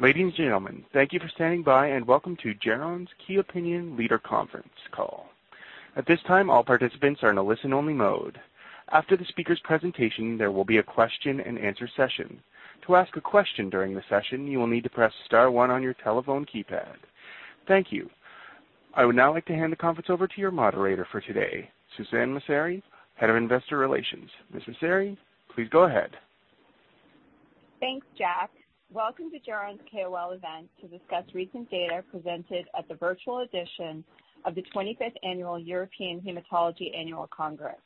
Ladies and gentlemen, thank you for standing by and welcome to Geron's Key Opinion Leader Conference Call. At this time, all participants are in a listen-only mode. After the speaker's presentation, there will be a question-and-answer session. To ask a question during the session, you will need to press star one on your telephone keypad. Thank you. I would now like to hand the conference over to your moderator for today, Suzanne Messere, Head of Investor Relations. Ms. Messere, please go ahead. Thanks, Jack. Welcome to Geron's KOL event to discuss recent data presented at the virtual edition of the 25th Annual European Hematology Annual Congress.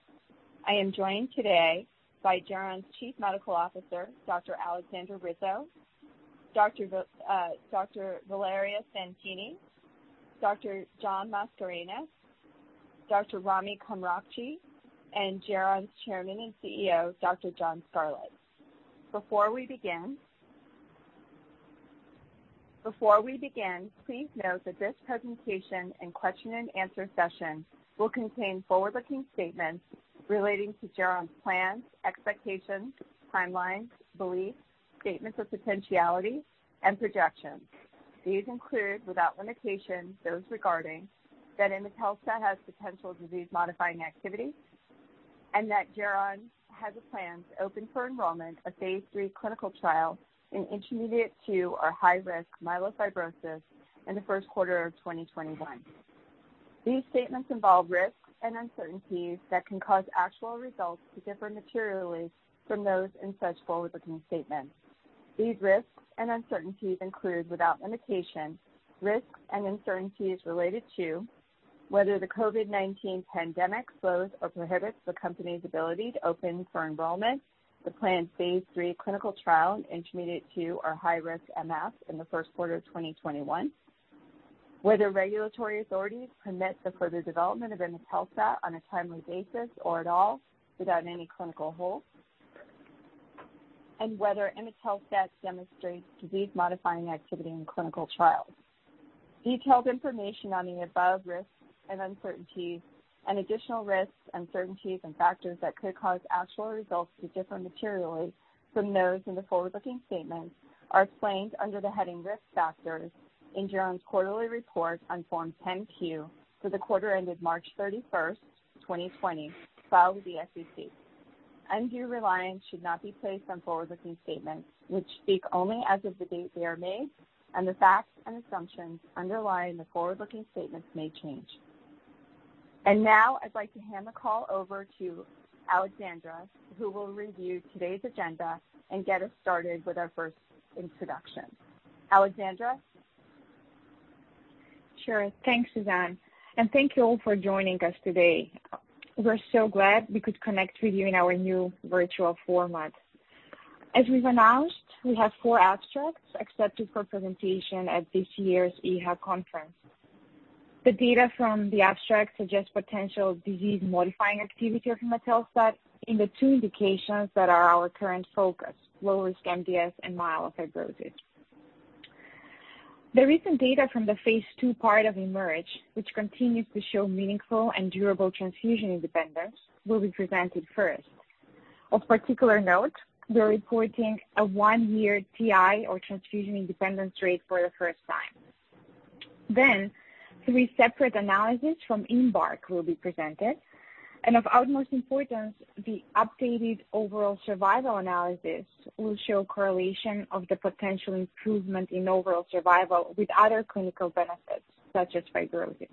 I am joined today by Geron's Chief Medical Officer, Dr. Aleksandra Rizo, Dr. Valeria Santini, Dr. John Mascarenhas, Dr. Rami Komrokji, and Geron's Chairman and CEO, Dr. John Scarlett. Before we begin, please note that this presentation and question-and-answer session will contain forward-looking statements relating to Geron's plans, expectations, timelines, beliefs, statements of potentiality, and projections. These include, without limitation, those regarding that imetelstat has potential disease-modifying activity and that Geron has a plan to open for enrollment a phase III clinical trial in Intermediate-2 or high-risk myelofibrosis in the first quarter of 2021. These statements involve risks and uncertainties that can cause actual results to differ materially from those in such forward-looking statements. These risks and uncertainties include, without limitation, risks and uncertainties related to whether the COVID-19 pandemic slows or prohibits the company's ability to open for enrollment the planned phase III clinical trial in Intermediate-2 or high-risk MF in the first quarter of 2021, whether regulatory authorities permit the further development of imetelstat on a timely basis or at all without any clinical hold, and whether imetelstat demonstrates disease-modifying activity in clinical trials. Detailed information on the above risks and uncertainties, and additional risks, uncertainties, and factors that could cause actual results to differ materially from those in the forward-looking statements are explained under the heading Risk Factors in Geron's quarterly report on Form 10-Q for the quarter ended March 31st, 2020, filed with the SEC. Undue reliance should not be placed on forward-looking statements which speak only as of the date they are made, and the facts and assumptions underlying the forward-looking statements may change. I would like to hand the call over to Aleksandra, who will review today's agenda and get us started with our first introduction. Aleksandra? Sure. Thanks, Suzanne. Thank you all for joining us today. We're so glad we could connect with you in our new virtual format. As we've announced, we have four abstracts accepted for presentation at this year's EHA conference. The data from the abstracts suggest potential disease-modifying activity of imetelstat in the two indications that are our current focus: low-risk MDS and myelofibrosis. The recent data from the phase II part of IMerge, which continues to show meaningful and durable transfusion independence, will be presented first. Of particular note, we're reporting a one-year TI or transfusion independence rate for the first time. Three separate analyses from IMbark will be presented. Of utmost importance, the updated overall survival analysis will show correlation of the potential improvement in overall survival with other clinical benefits, such as fibrosis.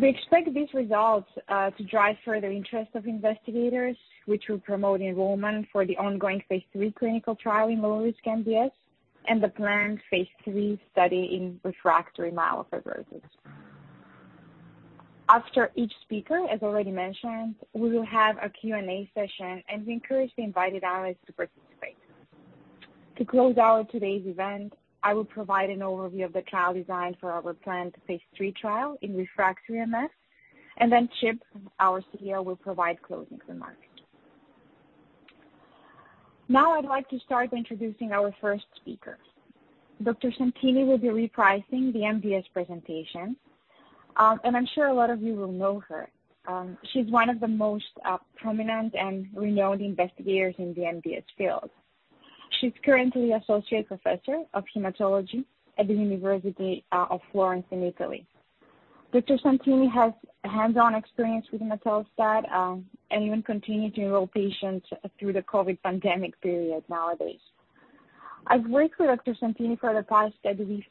We expect these results to drive further interest of investigators, which will promote enrollment for the ongoing phase III clinical trial in low-risk MDS and the planned phase III study in refractory myelofibrosis. After each speaker, as already mentioned, we will have a Q&A session, and we encourage the invited analysts to participate. To close out today's event, I will provide an overview of the trial design for our planned phase III trial in refractory MF, and then Chip, our CEO, will provide closing remarks. Now, I'd like to start by introducing our first speaker. Dr. Santini will be reprising the MDS presentation, and I'm sure a lot of you will know her. She's one of the most prominent and renowned investigators in the MDS field. She's currently an Associate Professor of Hematology at the University of Florence in Italy. Dr. Santini has hands-on experience with imetelstat and even continued to enroll patients through the COVID pandemic period nowadays. I've worked with Dr. Santini for the past 10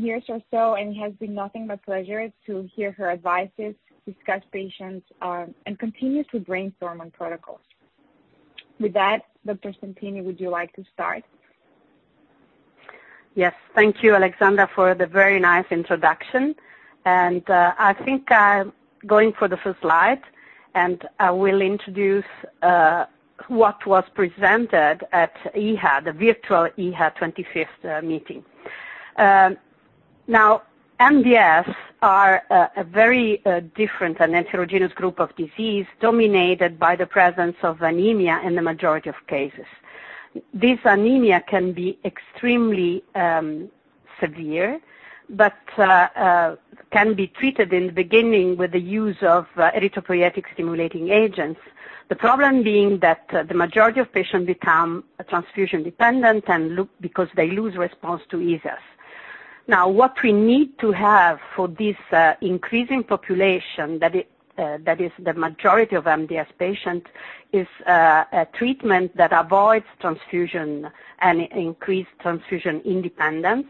years or so, and it has been nothing but pleasure to hear her advices, discuss patients, and continue to brainstorm on protocols. With that, Dr. Santini, would you like to start? Yes. Thank you, Aleksandra, for the very nice introduction. I think I'm going for the first slide, and I will introduce what was presented at EHA, the virtual EHA 25th meeting. Now, MDS is a very different and heterogeneous group of disease dominated by the presence of anemia in the majority of cases. This anemia can be extremely severe but can be treated in the beginning with the use of erythropoiesis-stimulating agents, the problem being that the majority of patients become transfusion dependent because they lose response to ESAs. Now, what we need to have for this increasing population, that is the majority of MDS patients, is a treatment that avoids transfusion and increases transfusion independence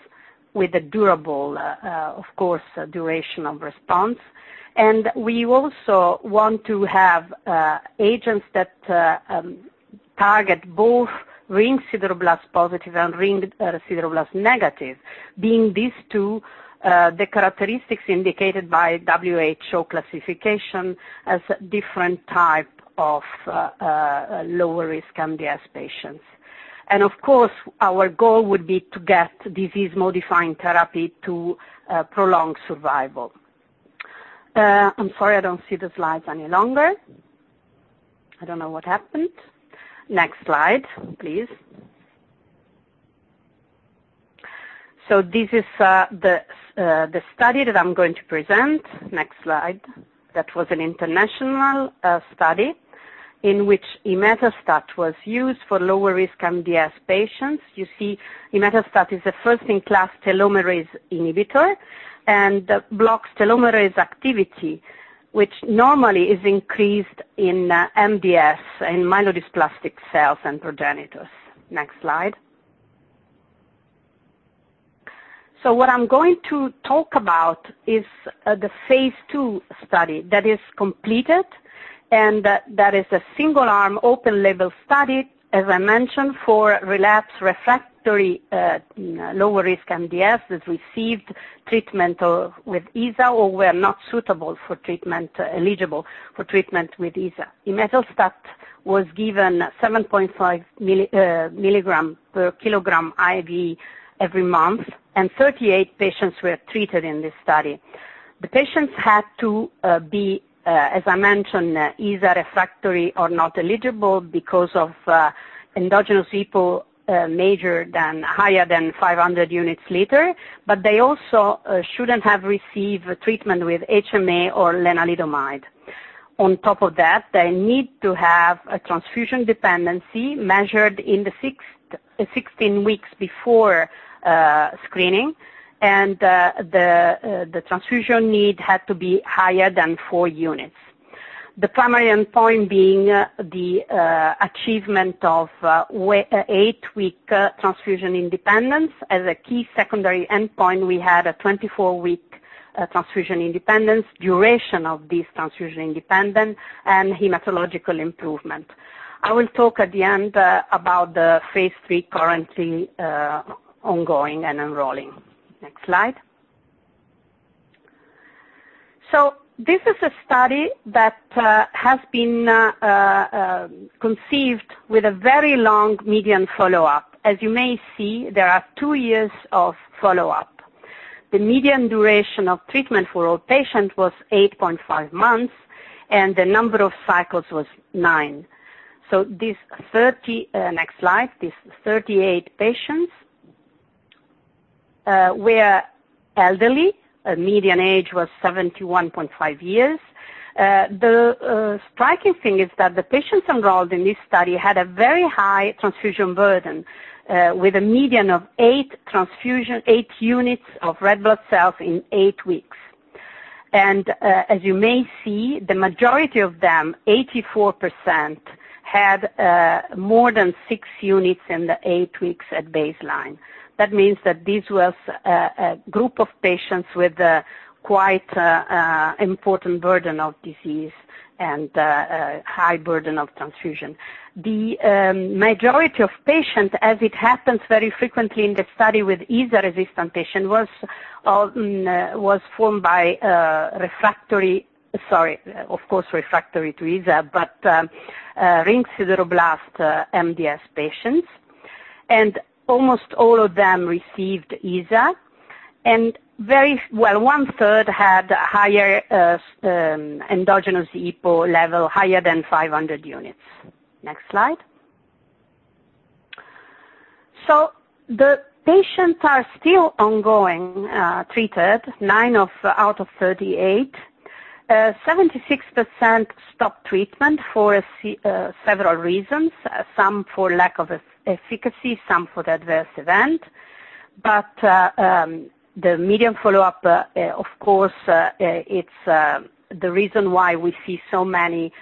with a durable, of course, duration of response. We also want to have agents that target both ringed sideroblast positive and ringed sideroblast negative, being these two the characteristics indicated by WHO classification as a different type of low-risk MDS patients. Of course, our goal would be to get disease-modifying therapy to prolong survival. I'm sorry, I don't see the slides any longer. I don't know what happened. Next slide, please. This is the study that I'm going to present. Next slide. That was an international study in which imetelstat was used for low-risk MDS patients. You see, imetelstat is a first-in-class telomerase inhibitor and blocks telomerase activity, which normally is increased in MDS in myelodysplastic cells and progenitors. Next slide. What I'm going to talk about is the phase II study that is completed, and that is a single-arm open-label study, as I mentioned, for relapsed refractory low-risk MDS that received treatment with ESA or were not suitable for treatment, eligible for treatment with ESA. Imetelstat was given 7.5 mg/kg IV every month, and 38 patients were treated in this study. The patients had to be, as I mentioned, ESA refractory or not eligible because of endogenous EPO greater than 500 units/liter, but they also should not have received treatment with HMA or lenalidomide. On top of that, they need to have a transfusion dependency measured in the 16 weeks before screening, and the transfusion need had to be higher than four units. The primary endpoint being the achievement of eight-week transfusion independence. As a key secondary endpoint, we had a 24-week transfusion independence, duration of this transfusion independence, and hematological improvement. I will talk at the end about the phase III currently ongoing and enrolling. Next slide. This is a study that has been conceived with a very long median follow-up. As you may see, there are two years of follow-up. The median duration of treatment for all patients was 8.5 months, and the number of cycles was nine. This 30—next slide—these 38 patients were elderly. Median age was 71.5 years. The striking thing is that the patients enrolled in this study had a very high transfusion burden with a median of eight units of red blood cells in eight weeks. As you may see, the majority of them, 84%, had more than six units in the eight weeks at baseline. That means that this was a group of patients with a quite important burden of disease and high burden of transfusion. The majority of patients, as it happens very frequently in the study with ESA-resistant patients, was formed by refractory—sorry, of course, refractory to ESA—but ringed sideroblast MDS patients. And almost all of them received ESA, and very—well, one-third had higher endogenous EPO level, higher than 500 units. Next slide. The patients are still ongoing treated, nine out of 38. 76% stopped treatment for several reasons, some for lack of efficacy, some for the adverse event. The median follow-up, of course, it's the reason why we see so many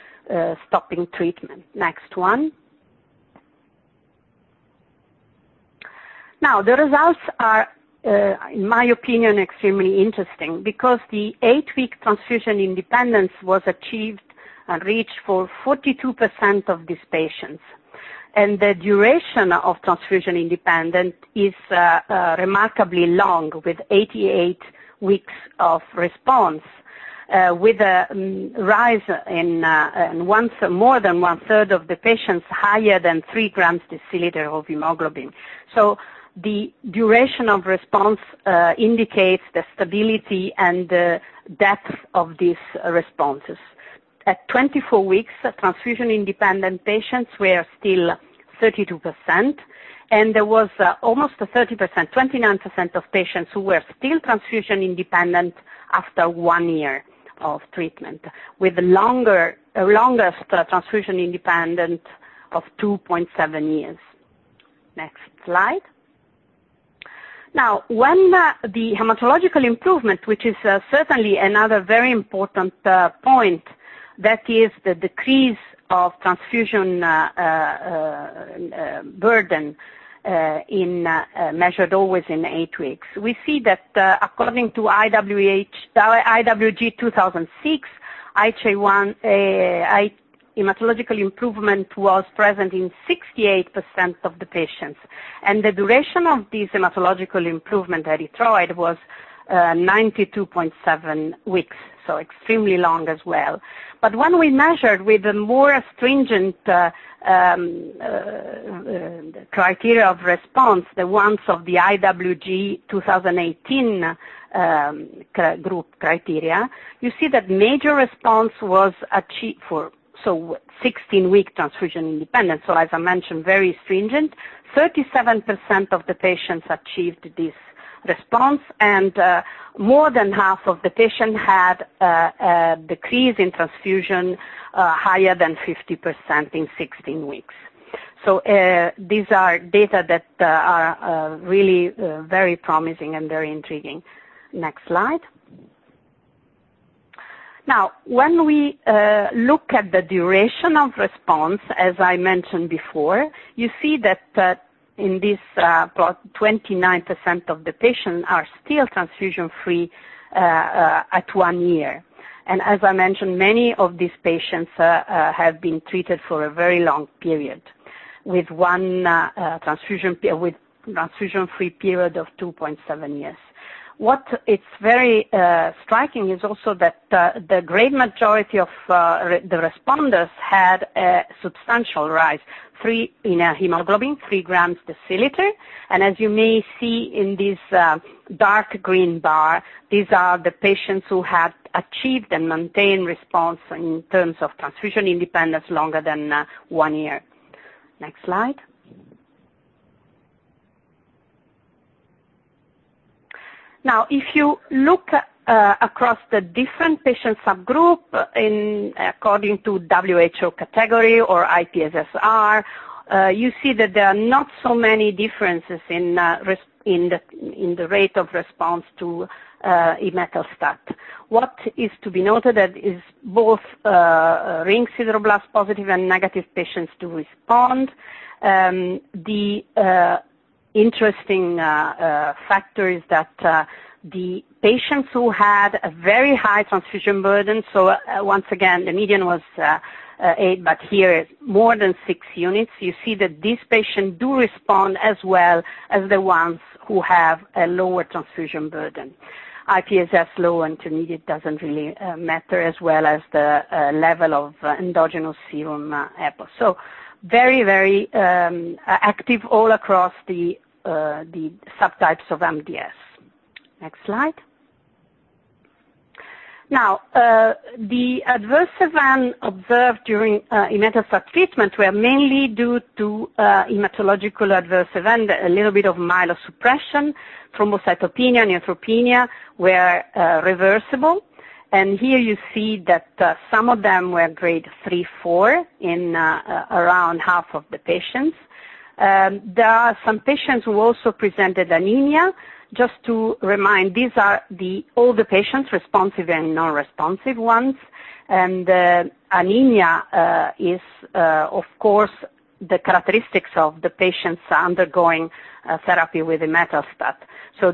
stopping treatment. Next one. Now, the results are, in my opinion, extremely interesting because the eight-week transfusion independence was achieved and reached for 42% of these patients. The duration of transfusion independence is remarkably long, with 88 weeks of response, with a rise in more than one-third of the patients higher than 3 grams/dL of hemoglobin. The duration of response indicates the stability and the depth of these responses. At 24 weeks, transfusion-independent patients were still 32%, and there was almost 30%—29%—of patients who were still transfusion-independent after one year of treatment, with a longest transfusion independence of 2.7 years. Next slide. Now, when the hematological improvement, which is certainly another very important point, that is the decrease of transfusion burden measured always in eight weeks, we see that according to IWG 2006, hematological improvement was present in 68% of the patients. The duration of this hematological improvement, erythroid, was 92.7 weeks, so extremely long as well. When we measured with a more stringent criteria of response, the ones of the IWG 2018 group criteria, you see that major response was achieved for 16-week transfusion independence. As I mentioned, very stringent, 37% of the patients achieved this response, and more than half of the patients had a decrease in transfusion higher than 50% in 16 weeks. These are data that are really very promising and very intriguing. Next slide. Now, when we look at the duration of response, as I mentioned before, you see that in this 29% of the patients are still transfusion-free at one year. As I mentioned, many of these patients have been treated for a very long period with one transfusion-free period of 2.7 years. What is very striking is also that the great majority of the responders had a substantial rise in hemoglobin, 3 g/dL. As you may see in this dark green bar, these are the patients who had achieved and maintained response in terms of transfusion independence longer than one year. Next slide. Now, if you look across the different patient subgroups according to WHO category or IPSS-R, you see that there are not so many differences in the rate of response to imetelstat. What is to be noted is both ring sideroblast positive and negative patients do respond. The interesting factor is that the patients who had a very high transfusion burden, so once again, the median was eight, but here it is more than six units, you see that these patients do respond as well as the ones who have a lower transfusion burden. IPSS low Int-2 needed does not really matter as well as the level of endogenous serum EPO. Very, very active all across the subtypes of MDS. Next slide. Now, the adverse events observed during imetelstat treatment were mainly due to hematological adverse events, a little bit of myelosuppression, thrombocytopenia, neutropenia were reversible. Here you see that some of them were grade three, four in around half of the patients. There are some patients who also presented anemia. Just to remind, these are all the patients, responsive and non-responsive ones. Anemia is, of course, the characteristic of the patients undergoing therapy with imetelstat.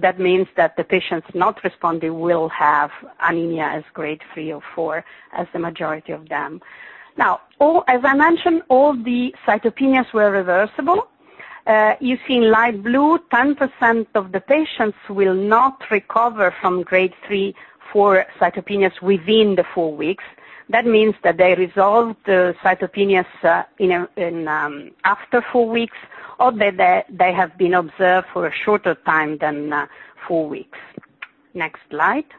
That means that the patients not responding will have anemia as grade three or four as the majority of them. Now, as I mentioned, all the cytopenias were reversible. You see in light blue, 10% of the patients will not recover from grade three, four cytopenias within the four weeks. That means that they resolve the cytopenias after four weeks or they have been observed for a shorter time than four weeks. Next slide.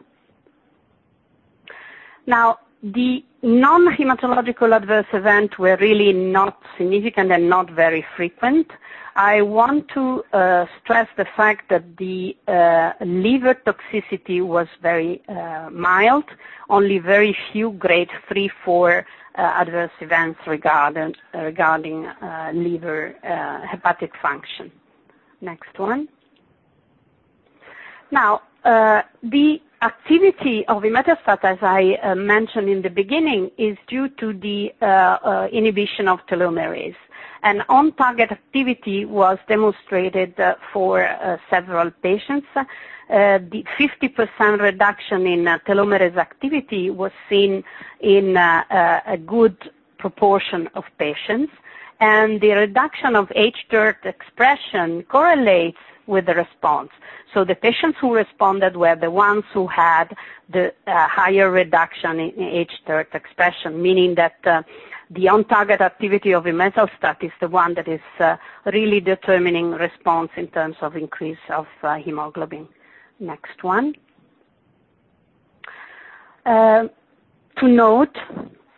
Now, the non-hematological adverse events were really not significant and not very frequent. I want to stress the fact that the liver toxicity was very mild, only very few grade three, four adverse events regarding liver hepatic function. Next one. Now, the activity of imetelstat, as I mentioned in the beginning, is due to the inhibition of telomerase. On-target activity was demonstrated for several patients. The 50% reduction in telomerase activity was seen in a good proportion of patients. The reduction of hTERT expression correlates with the response. The patients who responded were the ones who had the higher reduction in hTERT expression, meaning that the on-target activity of imetelstat is the one that is really determining response in terms of increase of hemoglobin. Next one. To note,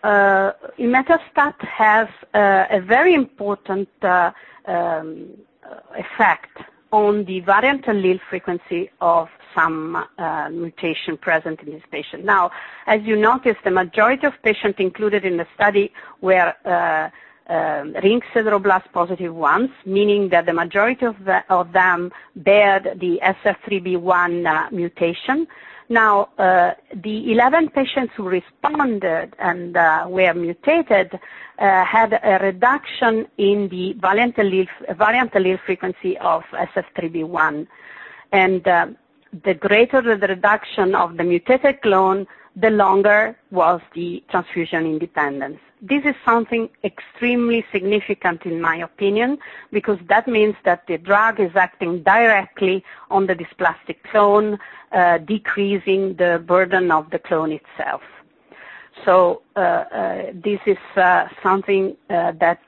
imetelstat has a very important effect on the variant allele frequency of some mutation present in this patient. Now, as you noticed, the majority of patients included in the study were ringed sideroblast positive ones, meaning that the majority of them bear the SF3B1 mutation. Now, the 11 patients who responded and were mutated had a reduction in the variant allele frequency of SF3B1. The greater the reduction of the mutated clone, the longer was the transfusion independence. This is something extremely significant, in my opinion, because that means that the drug is acting directly on the dysplastic clone, decreasing the burden of the clone itself. This is something that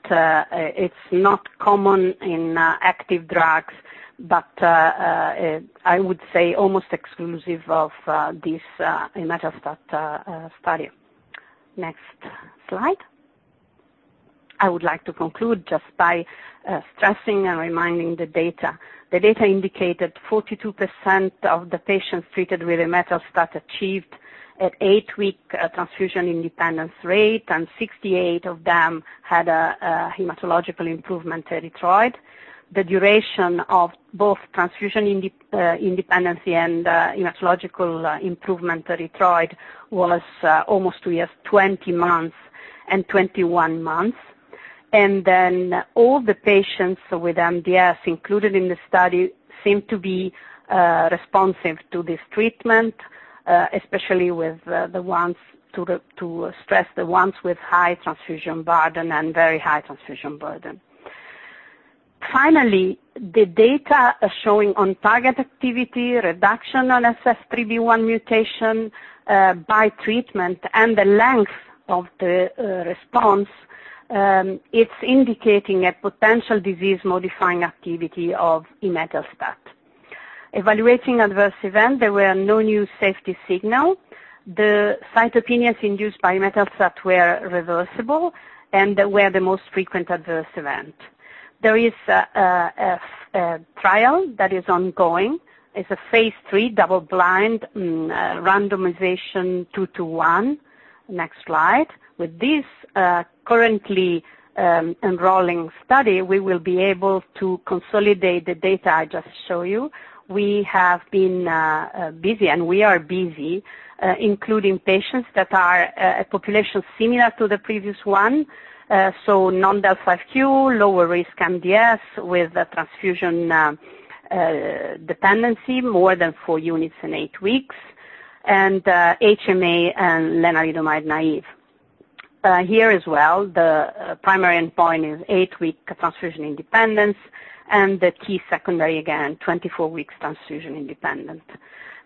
it's not common in active drugs, but I would say almost exclusive of this imetelstat study. Next slide. I would like to conclude just by stressing and reminding the data. The data indicated 42% of the patients treated with imetelstat achieved an eight-week transfusion independence rate, and 68 of them had a hematological improvement erythroid. The duration of both transfusion independence and hematological improvement erythroid was almost 20 months and 21 months. All the patients with MDS included in the study seemed to be responsive to this treatment, especially the ones—to stress the ones with high transfusion burden and very high transfusion burden. Finally, the data showing on-target activity, reduction on SF3B1 mutation by treatment, and the length of the response, it's indicating a potential disease-modifying activity of imetelstat. Evaluating adverse event, there were no new safety signals. The cytopenias induced by imetelstat were reversible, and they were the most frequent adverse event. There is a trial that is ongoing. It's a phase III double-blind randomization 2:1. Next slide. With this currently enrolling study, we will be able to consolidate the data I just showed you. We have been busy, and we are busy, including patients that are a population similar to the previous one, so non-del(5q), lower risk MDS with transfusion dependency, more than four units in eight weeks, and HMA and lenalidomide naive. Here as well, the primary endpoint is eight-week transfusion independence, and the secondary, again, 24-week transfusion independence.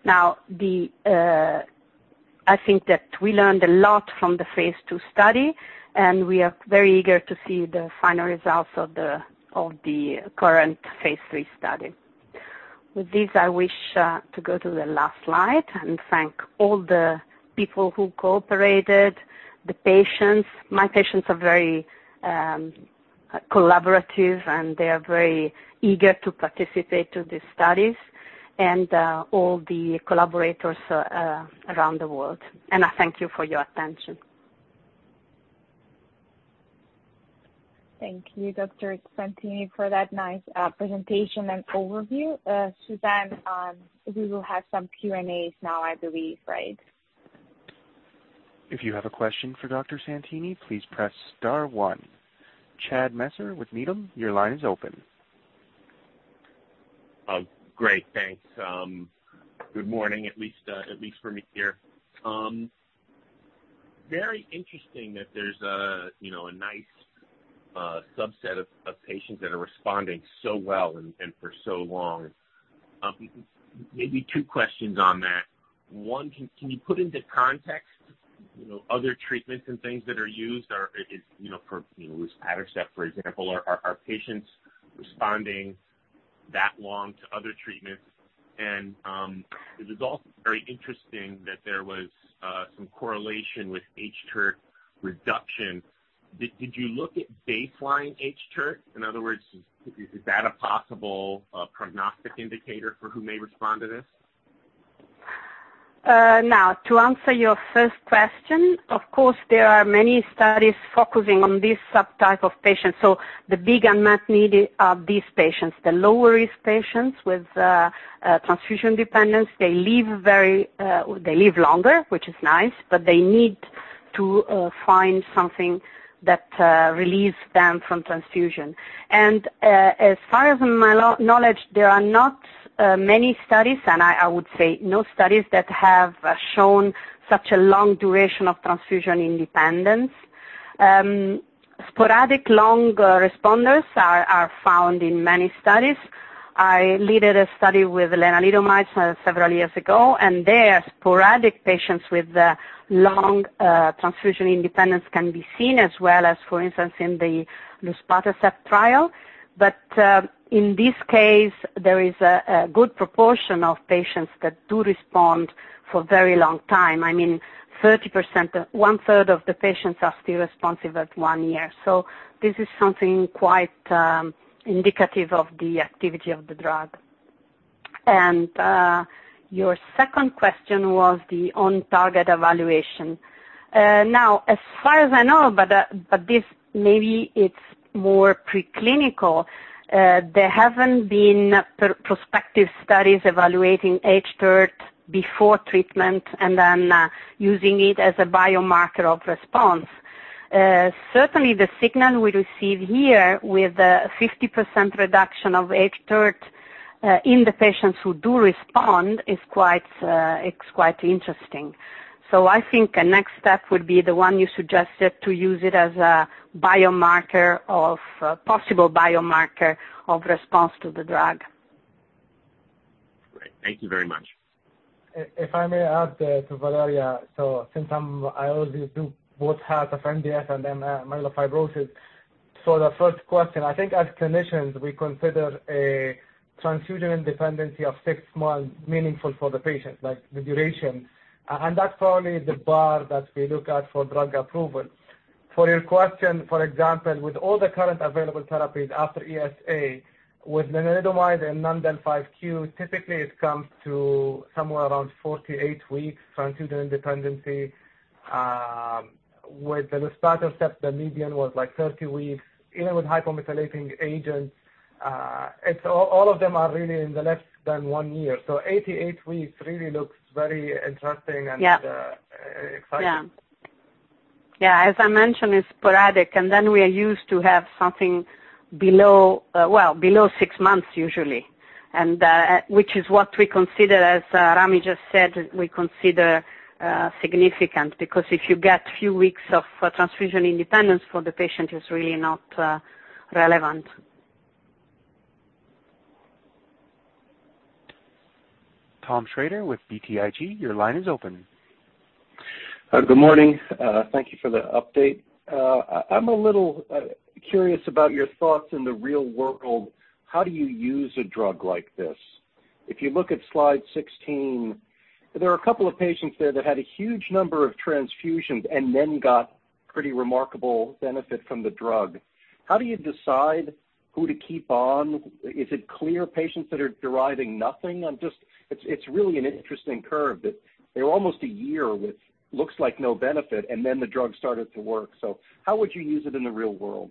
Now, I think that we learned a lot from the phase II study, and we are very eager to see the final results of the current phase III study. With this, I wish to go to the last slide and thank all the people who cooperated, the patients. My patients are very collaborative, and they are very eager to participate in these studies, and all the collaborators around the world. I thank you for your attention. Thank you, Dr. Santini, for that nice presentation and overview. Suzanne, we will have some Q&As now, I believe, right? If you have a question for Dr. Santini, please press star one. Chad Messer with Needham, your line is open. Great. Thanks. Good morning, at least for me here. Very interesting that there's a nice subset of patients that are responding so well and for so long. Maybe two questions on that. One, can you put into context other treatments and things that are used for like luspatercept, for example? Are patients responding that long to other treatments? It was also very interesting that there was some correlation with hTERT reduction. Did you look at baseline hTERT? In other words, is that a possible prognostic indicator for who may respond to this? To answer your first question, of course, there are many studies focusing on this subtype of patients. The big unmet need of these patients, the low-risk patients with transfusion dependence, is they live longer, which is nice, but they need to find something that relieves them from transfusion. As far as my knowledge, there are not many studies, and I would say no studies that have shown such a long duration of transfusion independence. Sporadic long responders are found in many studies. I led a study with lenalidomide several years ago, and there are sporadic patients with long transfusion independence that can be seen as well as, for instance, in the luspatercept trial. In this case, there is a good proportion of patients that do respond for a very long time. I mean, 30%, one-third of the patients are still responsive at one year. This is something quite indicative of the activity of the drug. Your second question was the on-target evaluation. Now, as far as I know, but this maybe it's more preclinical, there have not been prospective studies evaluating hTERT before treatment and then using it as a biomarker of response. Certainly, the signal we receive here with the 50% reduction of hTERT in the patients who do respond is quite interesting. I think a next step would be the one you suggested, to use it as a possible biomarker of response to the drug. Great. Thank you very much. If I may add to Valeria, since I already do both have of MDS and then myelofibrosis, the first question, I think as clinicians, we consider a transfusion independence of six months meaningful for the patient, like the duration. That is probably the bar that we look at for drug approval. For your question, for example, with all the current available therapies after ESA, with lenalidomide and non-del(5q), typically it comes to somewhere around 48 weeks transfusion independence. With the luspatercept, the median was like 30 weeks. Even with hypomethylating agents, all of them are really in the less than one year. So 88 weeks really looks very interesting and exciting. Yeah. Yeah. As I mentioned, it's sporadic, and then we are used to have something below, well, below six months usually, which is what we consider, as Rami just said, we consider significant because if you get a few weeks of transfusion independence for the patient, it's really not relevant. Tom Shrader with BTIG, your line is open. Good morning. Thank you for the update. I'm a little curious about your thoughts in the real world. How do you use a drug like this? If you look at slide 16, there are a couple of patients there that had a huge number of transfusions and then got pretty remarkable benefit from the drug. How do you decide who to keep on? Is it clear patients that are deriving nothing? It's really an interesting curve that they were almost a year with looks like no benefit, and then the drug started to work. How would you use it in the real world?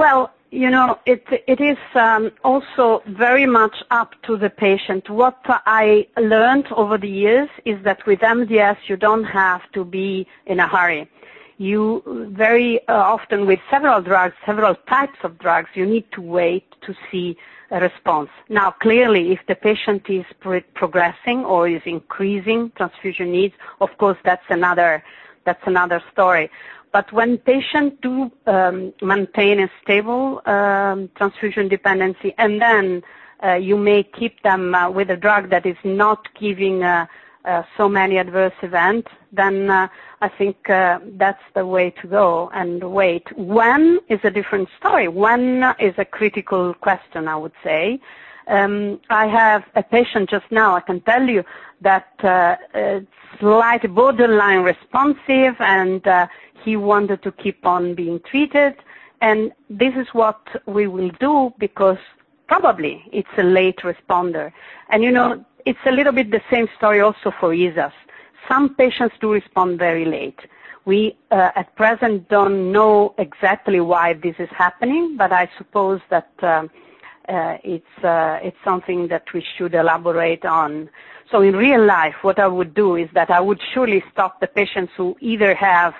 It is also very much up to the patient. What I learned over the years is that with MDS, you don't have to be in a hurry. Very often, with several drugs, several types of drugs, you need to wait to see a response. Now, clearly, if the patient is progressing or is increasing transfusion needs, of course, that's another story. When patients do maintain a stable transfusion dependency, and then you may keep them with a drug that is not giving so many adverse events, I think that's the way to go and wait. When is a different story. When is a critical question, I would say. I have a patient just now. I can tell you that it's slightly borderline responsive, and he wanted to keep on being treated. This is what we will do because probably it's a late responder. It's a little bit the same story also for ESAs. Some patients do respond very late. We, at present, don't know exactly why this is happening, but I suppose that it's something that we should elaborate on. In real life, what I would do is that I would surely stop the patients who either have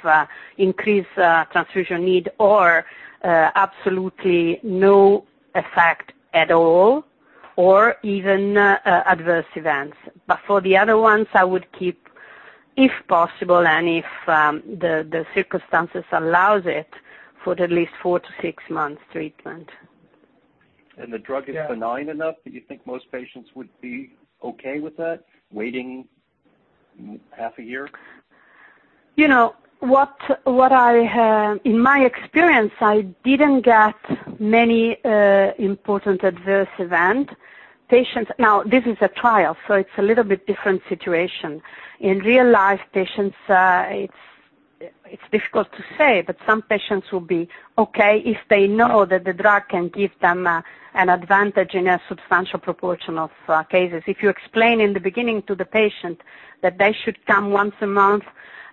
increased transfusion need or absolutely no effect at all or even adverse events. For the other ones, I would keep, if possible, and if the circumstances allow it, for at least four to six months treatment. The drug is benign enough that you think most patients would be okay with that, waiting half a year? In my experience, I didn't get many important adverse events. Now, this is a trial, so it's a little bit different situation. In real life, patients, it's difficult to say, but some patients will be okay if they know that the drug can give them an advantage in a substantial proportion of cases. If you explain in the beginning to the patient that they should come once a month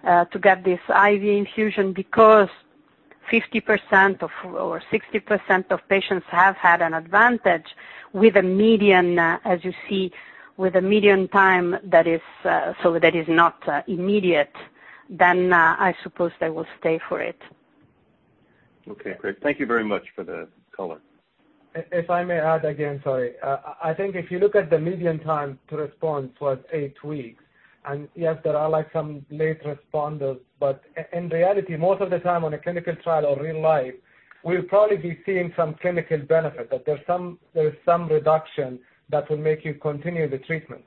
to get this IV infusion because 50% or 60% of patients have had an advantage with a median, as you see, with a median time that is so that is not immediate, I suppose they will stay for it. Okay. Great. Thank you very much for the color. If I may add again, sorry. I think if you look at the median time to response was eight weeks. Yes, there are some late responders, but in reality, most of the time on a clinical trial or real life, we'll probably be seeing some clinical benefit that there's some reduction that will make you continue the treatment.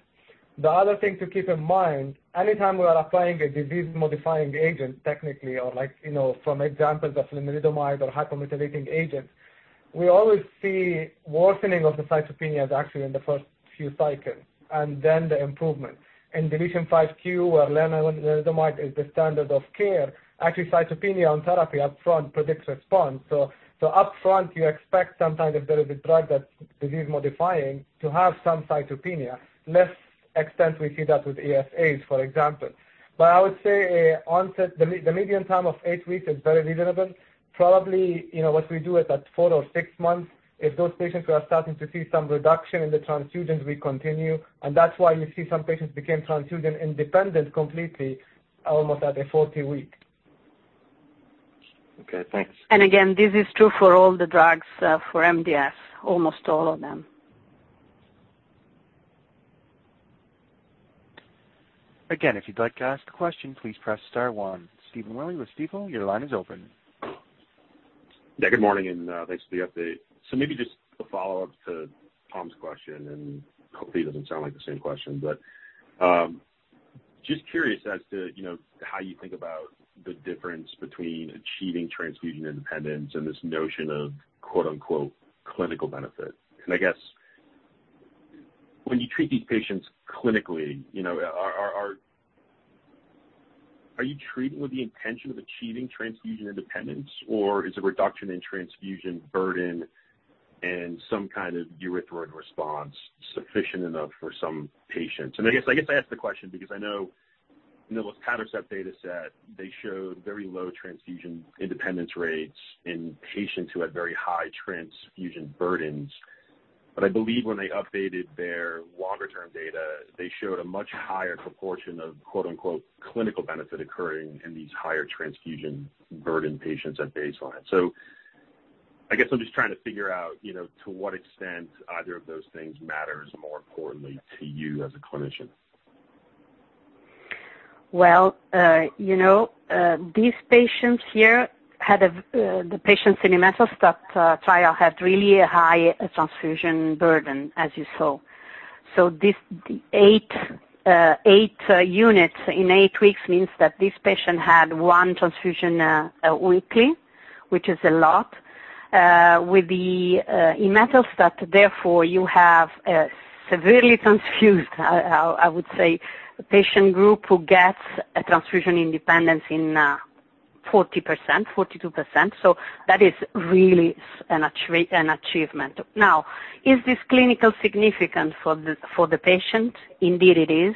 The other thing to keep in mind, anytime we are applying a disease-modifying agent, technically, or from examples of lenalidomide or hypomethylating agents, we always see worsening of the cytopenias actually in the first few cycles and then the improvement. In deletion 5q, where lenalidomide is the standard of care, actually cytopenia on therapy upfront predicts response. Upfront, you expect sometimes if there is a drug that's disease-modifying to have some cytopenia. To a lesser extent we see that with ESAs, for example. I would say the median time of eight weeks is very reasonable. Probably what we do is at four or six months, if those patients who are starting to see some reduction in the transfusions, we continue. That is why you see some patients became transfusion independent completely almost at a 40-week. Okay. Thanks. And again, this is true for all the drugs for MDS, almost all of them. If you'd like to ask a question, please press star one. Stephen Willey with Stifel, your line is open. Yeah. Good morning and thanks for the update. Maybe just a follow-up to Tom's question, and hopefully it doesn't sound like the same question, but just curious as to how you think about the difference between achieving transfusion independence and this notion of "clinical benefit." I guess when you treat these patients clinically, are you treating with the intention of achieving transfusion independence, or is a reduction in transfusion burden and some kind of erythroid response sufficient enough for some patients? I guess I ask the question because I know in the luspatercept data set, they showed very low transfusion independence rates in patients who had very high transfusion burdens. I believe when they updated their longer-term data, they showed a much higher proportion of "clinical benefit" occurring in these higher transfusion burden patients at baseline. I guess I'm just trying to figure out to what extent either of those things matters more importantly to you as a clinician. These patients here had the patients in the imetelstat trial had really a high transfusion burden, as you saw. Eight units in eight weeks means that this patient had one transfusion weekly, which is a lot. With the imetelstat, therefore, you have a severely transfused, I would say, patient group who gets a transfusion independence in 40%-42%. That is really an achievement. Now, is this clinically significant for the patient? Indeed, it is.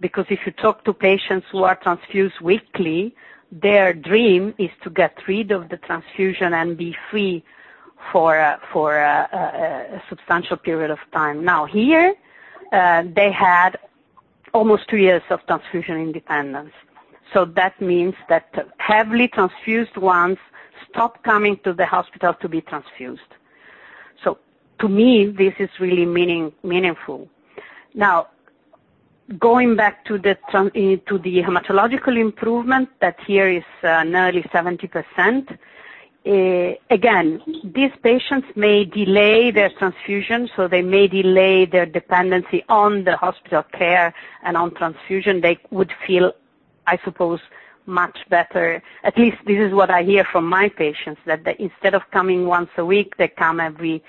Because if you talk to patients who are transfused weekly, their dream is to get rid of the transfusion and be free for a substantial period of time. Here, they had almost two years of transfusion independence. That means that heavily transfused ones stopped coming to the hospital to be transfused. To me, this is really meaningful. Now, going back to the hematological improvement that here is nearly 70%, again, these patients may delay their transfusion, so they may delay their dependency on the hospital care and on transfusion. They would feel, I suppose, much better. At least this is what I hear from my patients, that instead of coming once a week, they come every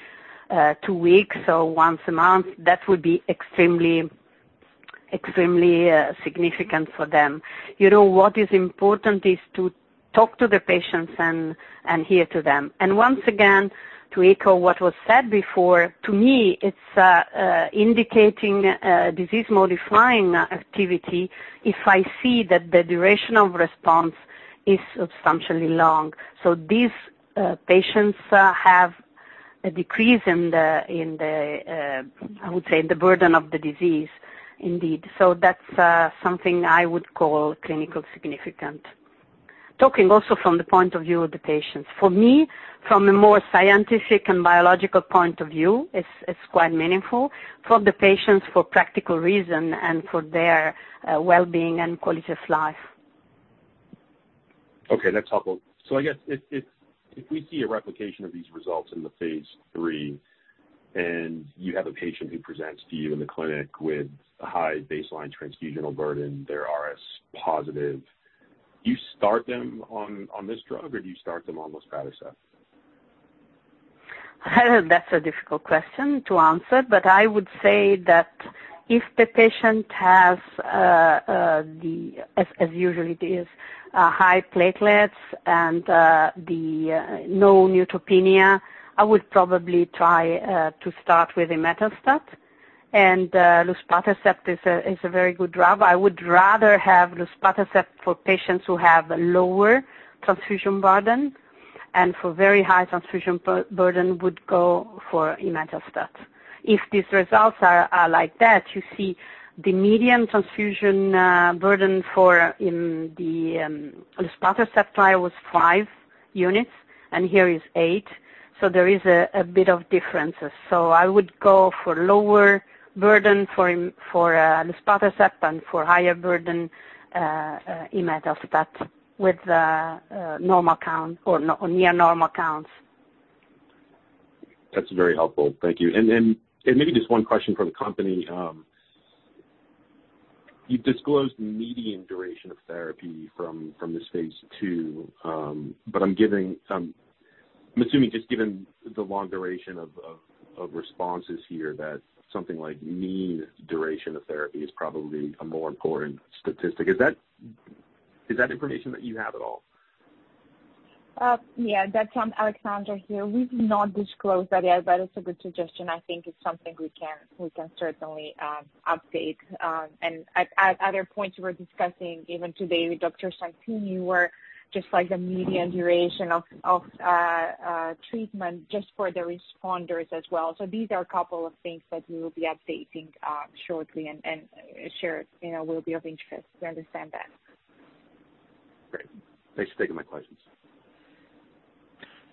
two weeks, so once a month. That would be extremely significant for them. What is important is to talk to the patients and hear to them. Once again, to echo what was said before, to me, it's indicating disease-modifying activity if I see that the duration of response is substantially long. These patients have a decrease in the, I would say, in the burden of the disease, indeed. That is something I would call clinically significant. Talking also from the point of view of the patients. For me, from a more scientific and biological point of view, it is quite meaningful for the patients for practical reason and for their well-being and quality of life. Okay. That is helpful. I guess if we see a replication of these results in the phase III and you have a patient who presents to you in the clinic with a high baseline transfusional burden, they are RS positive, do you start them on this drug or do you start them on luspatercept? That is a difficult question to answer, but I would say that if the patient has, as usually it is, high platelets and no neutropenia, I would probably try to start with imetelstat. Luspatercept is a very good drug. I would rather have luspatercept for patients who have lower transfusion burden, and for very high transfusion burden, would go for imetelstat. If these results are like that, you see the median transfusion burden for the luspatercept trial was five units, and here is eight. There is a bit of difference. I would go for lower burden for luspatercept and for higher burden imetelstat with normal count or near normal counts. That's very helpful. Thank you. Maybe just one question for the company. You disclosed median duration of therapy from this phase II, but I'm assuming just given the long duration of responses here that something like mean duration of therapy is probably a more important statistic. Is that information that you have at all? Yeah. That's from Aleksandra here. We've not disclosed that yet, but it's a good suggestion. I think it's something we can certainly update. At other points, we were discussing even today with Dr. Santini, where just like the median duration of treatment just for the responders as well. These are a couple of things that we will be updating shortly and shared. It will be of interest. We understand that. Great. Thanks for taking my questions.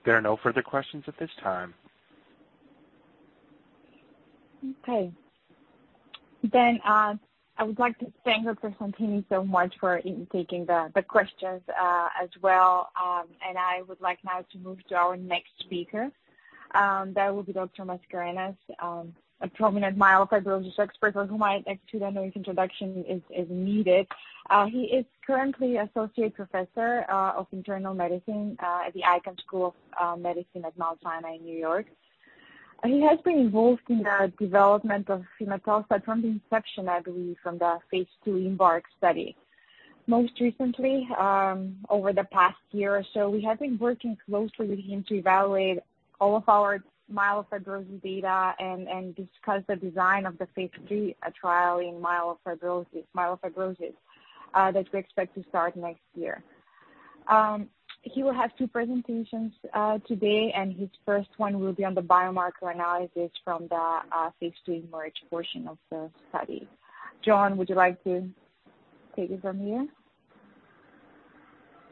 There are no further questions at this time. Okay. I would like to thank Dr. Santini so much for taking the questions as well. I would like now to move to our next speaker. That will be Dr. Mascarenhas, a prominent myelofibrosis expert for whom I actually don't know his introduction is needed. He is currently an Associate Professor of Internal Medicine at the Icahn School of Medicine at Mount Sinai in New York. He has been involved in the development of imetelstat from the inception, I believe, from the phase II IMbark study. Most recently, over the past year or so, we have been working closely with him to evaluate all of our myelofibrosis data and discuss the design of the phase III trial in myelofibrosis that we expect to start next year. He will have two presentations today, and his first one will be on the biomarker analysis from the phase II IMbark portion of the study. John, would you like to take it from here?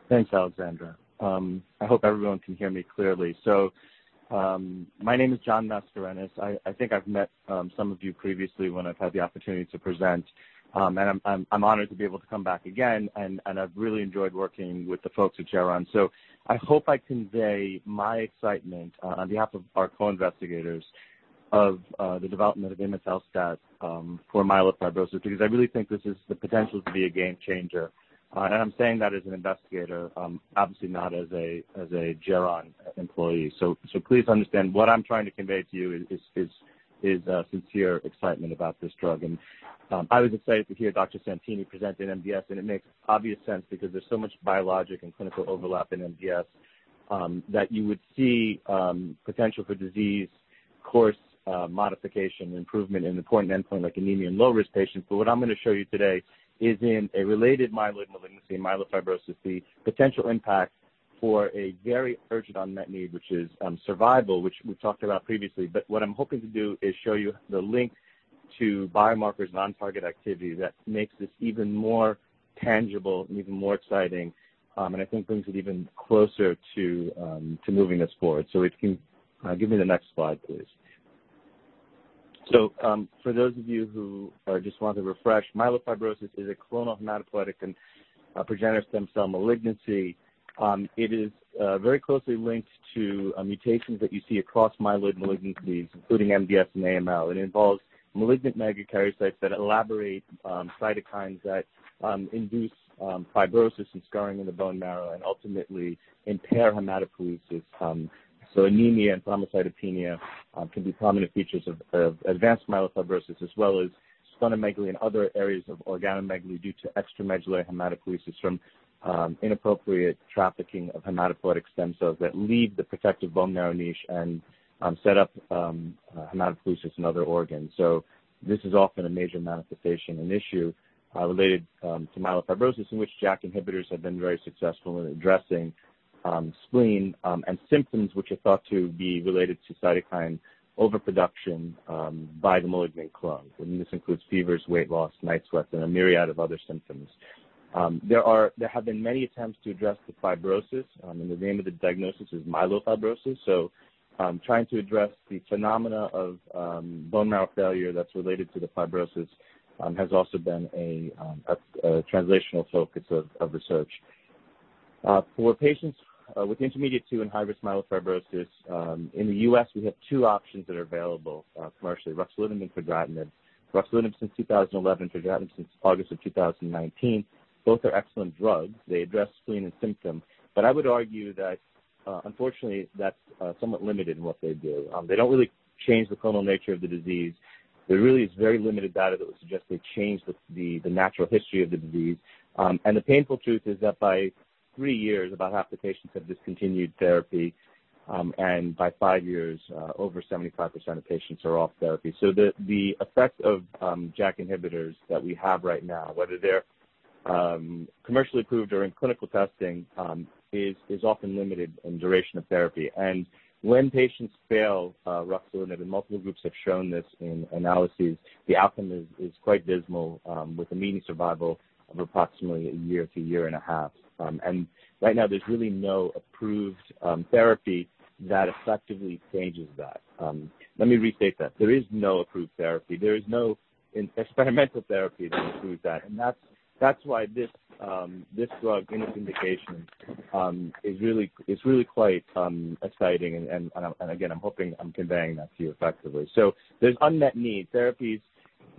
Thanks, Aleksandra. I hope everyone can hear me clearly. My name is John Mascarenhas. I think I've met some of you previously when I've had the opportunity to present, and I'm honored to be able to come back again, and I've really enjoyed working with the folks at Geron. I hope I convey my excitement on behalf of our co-investigators of the development of imetelstat for myelofibrosis because I really think this is the potential to be a game changer. I am saying that as an investigator, obviously not as a Geron employee. Please understand what I am trying to convey to you is sincere excitement about this drug. I was excited to hear Dr. Santini present in MDS, and it makes obvious sense because there is so much biologic and clinical overlap in MDS that you would see potential for disease course modification and improvement in important endpoint like anemia in low-risk patients. What I am going to show you today is in a related myeloid malignancy, myelofibrosis, the potential impact for a very urgent unmet need, which is survival, which we have talked about previously. What I'm hoping to do is show you the link to biomarkers and on-target activity that makes this even more tangible and even more exciting, and I think brings it even closer to moving this forward. If you can give me the next slide, please. For those of you who just want to refresh, myelofibrosis is a clonal hematopoietic and progenitor stem cell malignancy. It is very closely linked to mutations that you see across myeloid malignancies, including MDS and AML. It involves malignant megakaryocytes that elaborate cytokines that induce fibrosis and scarring in the bone marrow and ultimately impair hematopoiesis. Anemia and thrombocytopenia can be prominent features of advanced myelofibrosis, as well as splenomegaly and other areas of organomegaly due to extramedullary hematopoiesis from inappropriate trafficking of hematopoietic stem cells that leave the protective bone marrow niche and set up hematopoiesis in other organs. This is often a major manifestation and issue related to myelofibrosis, in which JAK inhibitors have been very successful in addressing spleen and symptoms which are thought to be related to cytokine overproduction by the malignant clone. This includes fevers, weight loss, night sweats, and a myriad of other symptoms. There have been many attempts to address the fibrosis, and the name of the diagnosis is myelofibrosis. Trying to address the phenomena of bone marrow failure that's related to the fibrosis has also been a translational focus of research. For patients with Intermediate-2 and high-risk myelofibrosis, in the U.S., we have two options that are available commercially: ruxolitinib and fedratinib. ruxolitinib since 2011, fedratinib since August of 2019. Both are excellent drugs. They address spleen and symptoms, but I would argue that, unfortunately, that's somewhat limited in what they do. They do not really change the clonal nature of the disease. There really is very limited data that would suggest they change the natural history of the disease. The painful truth is that by three years, about half the patients have discontinued therapy, and by five years, over 75% of patients are off therapy. The effect of JAK inhibitors that we have right now, whether they are commercially approved or in clinical testing, is often limited in duration of therapy. When patients fail ruxolitinib, and multiple groups have shown this in analyses, the outcome is quite dismal, with a mean survival of approximately a year to a year and a half. Right now, there is really no approved therapy that effectively changes that. Let me restate that. There is no approved therapy. There is no experimental therapy that improves that. That is why this drug, in its indication, is really quite exciting. Again, I'm hoping I'm conveying that to you effectively. There is unmet need. Therapies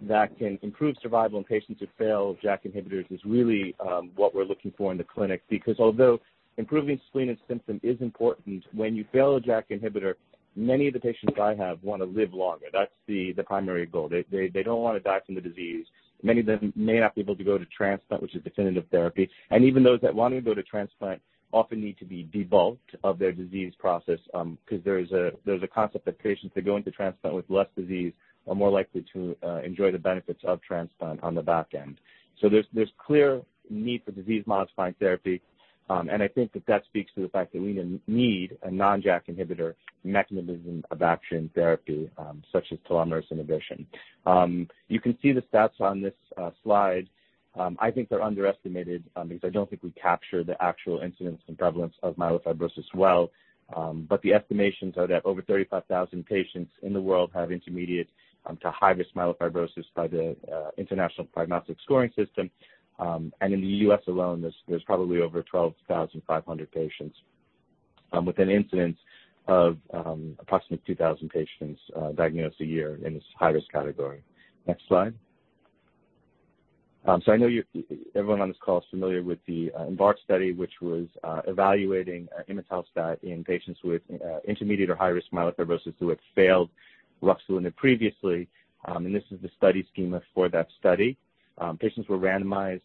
that can improve survival in patients who fail JAK inhibitors is really what we're looking for in the clinic because although improving spleen and symptom is important, when you fail a JAK inhibitor, many of the patients I have want to live longer. That is the primary goal. They do not want to die from the disease. Many of them may not be able to go to transplant, which is definitive therapy. Even those that want to go to transplant often need to be debulked of their disease process because there is a concept that patients that go into transplant with less disease are more likely to enjoy the benefits of transplant on the back end. There is clear need for disease-modifying therapy, and I think that that speaks to the fact that we need a non-JAK inhibitor mechanism of action therapy, such as telomerase inhibition. You can see the stats on this slide. I think they're underestimated because I don't think we capture the actual incidence and prevalence of myelofibrosis well, but the estimations are that over 35,000 patients in the world have Intermediate-2 high-risk myelofibrosis by the International Prognostic Scoring System. In the U.S. alone, there's probably over 12,500 patients with an incidence of approximately 2,000 patients diagnosed a year in this high-risk category. Next slide. I know everyone on this call is familiar with the IMbark study, which was evaluating imetelstat in patients with intermediate or high-risk myelofibrosis who had failed ruxolitinib previously. This is the study schema for that study. Patients were randomized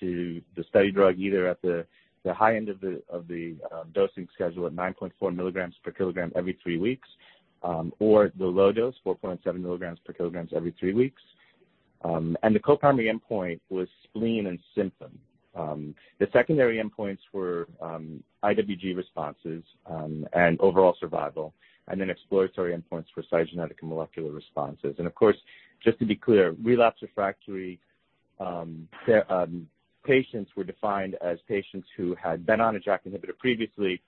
to the study drug either at the high end of the dosing schedule at 9.4 milligrams per kilogram every three weeks or the low dose, 4.7 milligrams per kilogram every three weeks. The co-primary endpoint was spleen and symptom. The secondary endpoints were IWG responses and overall survival, and exploratory endpoints were cytogenetic and molecular responses. Of course, just to be clear, relapse refractory patients were defined as patients who had been on a JAK inhibitor previously,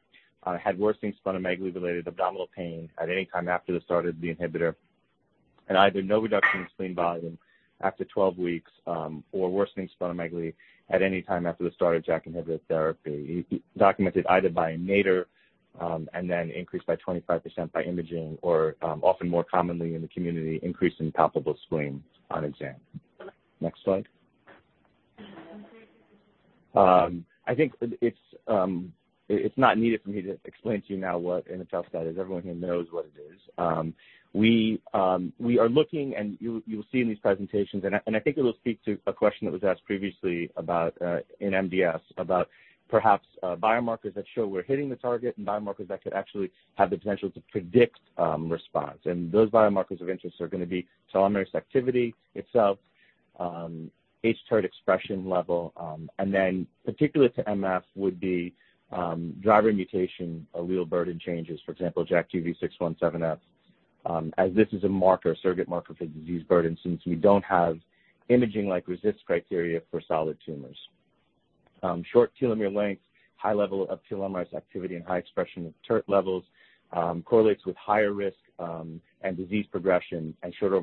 had worsening splenomegaly related abdominal pain at any time after the start of the inhibitor, and either no reduction in spleen volume after 12 weeks or worsening splenomegaly at any time after the start of JAK inhibitor therapy, documented either by nadir and then increased by 25% by imaging or, often more commonly in the community, increase in palpable spleen on exam. Next slide. I think it's not needed for me to explain to you now what imetelstat is. Everyone here knows what it is. We are looking, and you'll see in these presentations, and I think it will speak to a question that was asked previously in MDS about perhaps biomarkers that show we're hitting the target and biomarkers that could actually have the potential to predict response. Those biomarkers of interest are going to be telomerase activity itself, hTERT expression level, and then particularly to MF would be driver mutation allele burden changes, for example, JAK2 V617F, as this is a marker, a surrogate marker for disease burden since we don't have imaging-like RECIST criteria for solid tumors. Short telomere length, high level of telomerase activity, and high expression of TERT levels correlates with higher risk and disease progression and shorter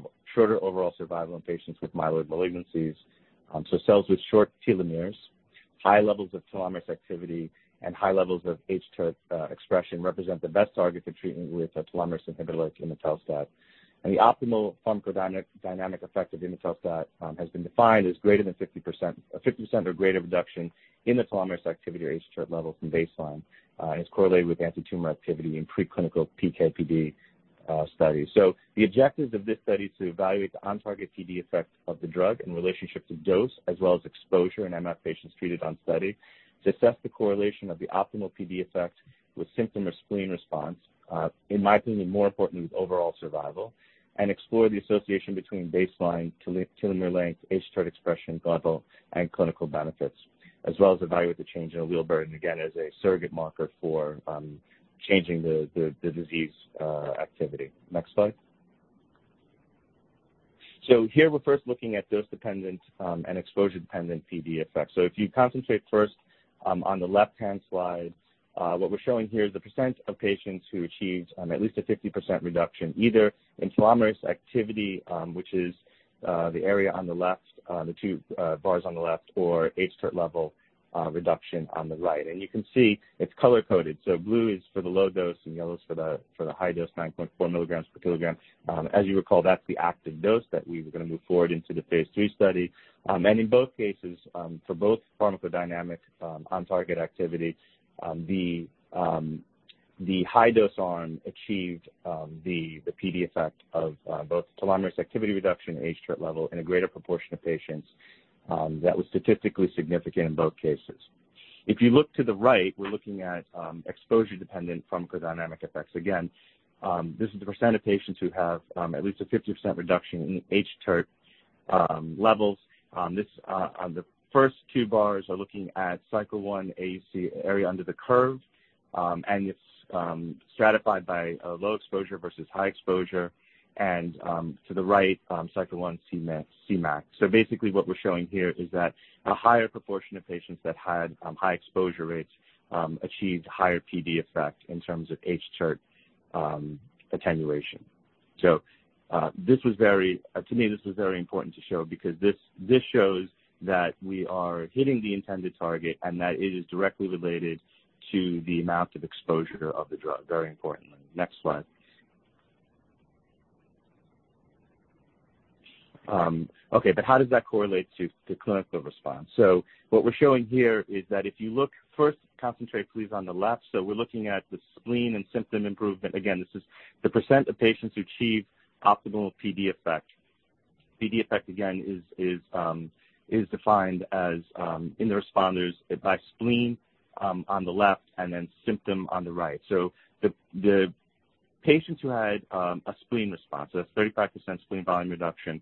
overall survival in patients with myeloid malignancies. Cells with short telomeres, high levels of telomerase activity, and high levels of hTERT expression represent the best target for treatment with a telomerase inhibitor like imetelstat. The optimal pharmacodynamic effect of imetelstat has been defined as greater than 50% or greater reduction in the telomerase activity or hTERT level from baseline and is correlated with anti-tumor activity in preclinical PK/PD studies. The objectives of this study is to evaluate the on-target PD effect of the drug in relationship to dose, as well as exposure in MF patients treated on study, to assess the correlation of the optimal PD effect with symptom or spleen response, in my opinion, more importantly, with overall survival, and explore the association between baseline telomere length, hTERT expression level, and clinical benefits, as well as evaluate the change in allele burden, again, as a surrogate marker for changing the disease activity. Next slide. Here, we're first looking at dose-dependent and exposure-dependent PD effects. If you concentrate first on the left-hand slide, what we're showing here is the % of patients who achieved at least a 50% reduction either in telomerase activity, which is the area on the left, the two bars on the left, or hTERT level reduction on the right. You can see it's color-coded. Blue is for the low dose and yellow is for the high dose, 9.4 mg per kg. As you recall, that's the active dose that we were going to move forward into the phase III study. In both cases, for both pharmacodynamic on-target activity, the high-dose arm achieved the PD effect of both telomerase activity reduction and hTERT level in a greater proportion of patients. That was statistically significant in both cases. If you look to the right, we're looking at exposure-dependent pharmacodynamic effects. Again, this is the % of patients who have at least a 50% reduction in hTERT levels. The first two bars are looking at cycle one area under the curve, and it's stratified by low exposure versus high exposure. To the right, cycle one Cmax. Basically, what we're showing here is that a higher proportion of patients that had high exposure rates achieved higher PD effect in terms of hTERT attenuation. To me, this was very important to show because this shows that we are hitting the intended target and that it is directly related to the amount of exposure of the drug, very importantly. Next slide. Okay, how does that correlate to clinical response? What we're showing here is that if you look first, concentrate please on the left. We're looking at the spleen and symptom improvement. Again, this is the % of patients who achieve optimal PD effect. PD effect, again, is defined as in the responders by spleen on the left and then symptom on the right. The patients who had a spleen response, so that's 35% spleen volume reduction,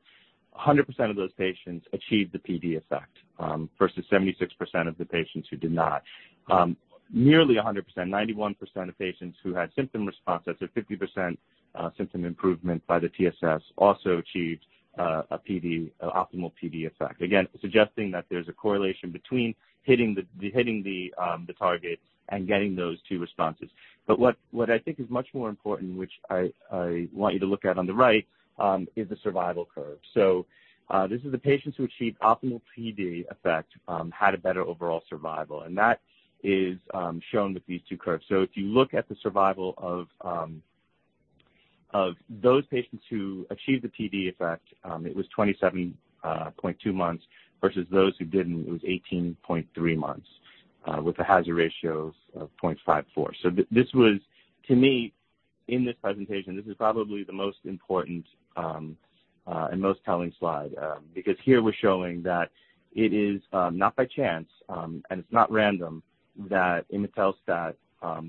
100% of those patients achieved the PD effect versus 76% of the patients who did not. Nearly 100%, 91% of patients who had symptom response, that's a 50% symptom improvement by the TSS, also achieved an optimal PD effect. Again, suggesting that there's a correlation between hitting the target and getting those two responses. What I think is much more important, which I want you to look at on the right, is the survival curve. This is the patients who achieved optimal PD effect had a better overall survival. That is shown with these two curves. If you look at the survival of those patients who achieved the PD effect, it was 27.2 months versus those who did not, it was 18.3 months with a hazard ratio of 0.54. This was, to me, in this presentation, probably the most important and most telling slide because here we are showing that it is not by chance, and it is not random that imetelstat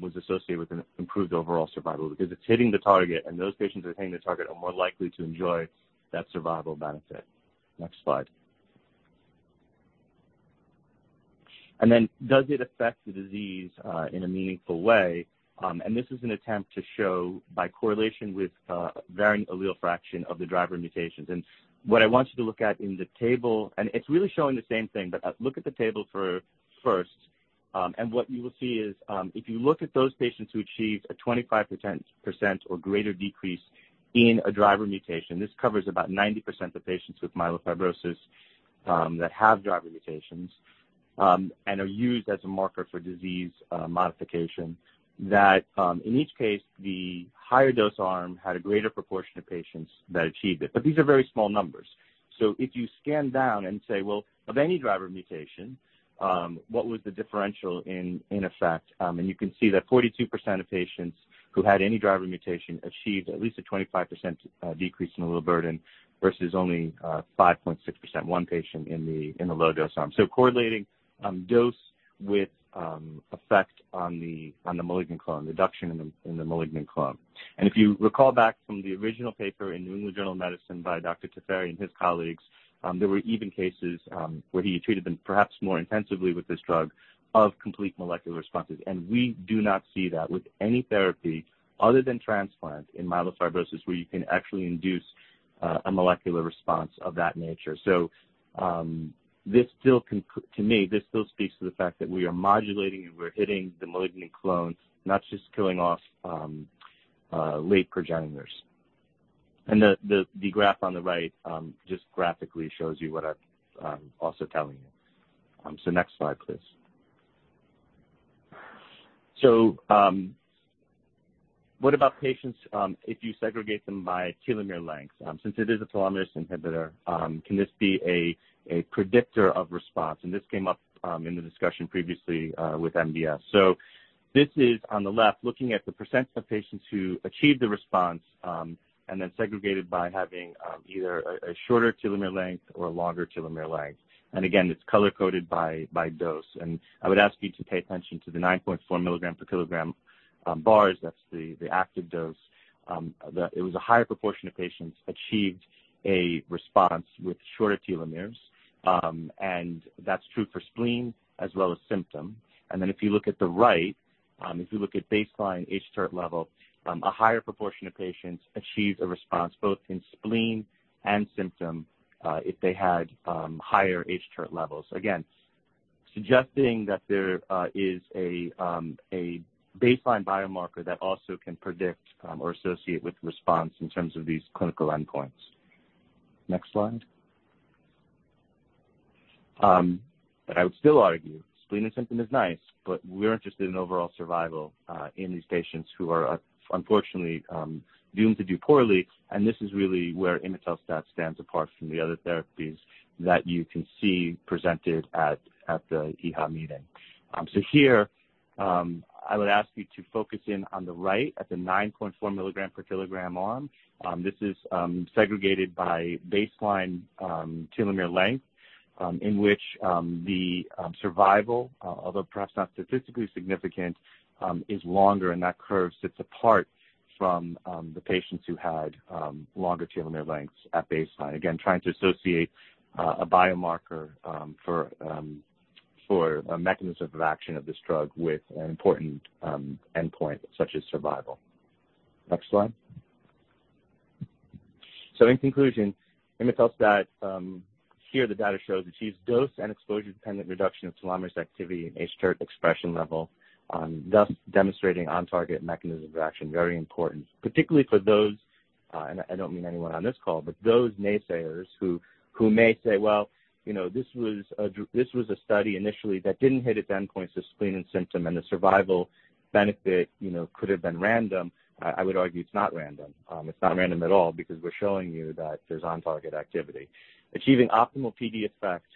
was associated with an improved overall survival because it is hitting the target, and those patients that are hitting the target are more likely to enjoy that survival benefit. Next slide. Does it affect the disease in a meaningful way? This is an attempt to show by correlation with varying allele fraction of the driver mutations. What I want you to look at in the table, and it is really showing the same thing, but look at the table first. What you will see is if you look at those patients who achieved a 25% or greater decrease in a driver mutation, this covers about 90% of patients with myelofibrosis that have driver mutations and are used as a marker for disease modification, that in each case, the higher dose arm had a greater proportion of patients that achieved it. These are very small numbers. If you scan down and say, "Of any driver mutation, what was the differential in effect?" you can see that 42% of patients who had any driver mutation achieved at least a 25% decrease in allele burden versus only 5.6%, one patient in the low dose arm. Correlating dose with effect on the malignant clone, reduction in the malignant clone. If you recall back from the original paper in New England Journal of Medicine by Dr. Tefferi and his colleagues, there were even cases where he treated them perhaps more intensively with this drug of complete molecular responses. We do not see that with any therapy other than transplant in myelofibrosis where you can actually induce a molecular response of that nature. To me, this still speaks to the fact that we are modulating and we're hitting the malignant clone, not just killing off late progenitors. The graph on the right just graphically shows you what I'm also telling you. Next slide, please. What about patients if you segregate them by telomere length? Since it is a telomerase inhibitor, can this be a predictor of response? This came up in the discussion previously with MDS. On the left, looking at the % of patients who achieved the response and then segregated by having either a shorter telomere length or a longer telomere length. Again, it is color-coded by dose. I would ask you to pay attention to the 9.4 mg per kg bars, that is the active dose. A higher proportion of patients achieved a response with shorter telomeres, and that is true for spleen as well as symptom. If you look at the right, if you look at baseline hTERT level, a higher proportion of patients achieved a response both in spleen and symptom if they had higher hTERT levels. Again, suggesting that there is a baseline biomarker that also can predict or associate with response in terms of these clinical endpoints. Next slide. I would still argue, spleen and symptom is nice, but we're interested in overall survival in these patients who are unfortunately doomed to do poorly. This is really where imetelstat stands apart from the other therapies that you can see presented at the EHA meeting. Here, I would ask you to focus in on the right at the 9.4 milligram per kilogram arm. This is segregated by baseline telomere length in which the survival, although perhaps not statistically significant, is longer, and that curve sits apart from the patients who had longer telomere lengths at baseline. Again, trying to associate a biomarker for a mechanism of action of this drug with an important endpoint such as survival. Next slide. In conclusion, imetelstat, here the data shows achieved dose and exposure-dependent reduction of telomerase activity and hTERT expression level, thus demonstrating on-target mechanism of action, very important, particularly for those, and I do not mean anyone on this call, but those naysayers who may say, "Well, this was a study initially that did not hit its endpoints of spleen and symptom, and the survival benefit could have been random." I would argue it is not random. It is not random at all because we are showing you that there is on-target activity. Achieving optimal PD effect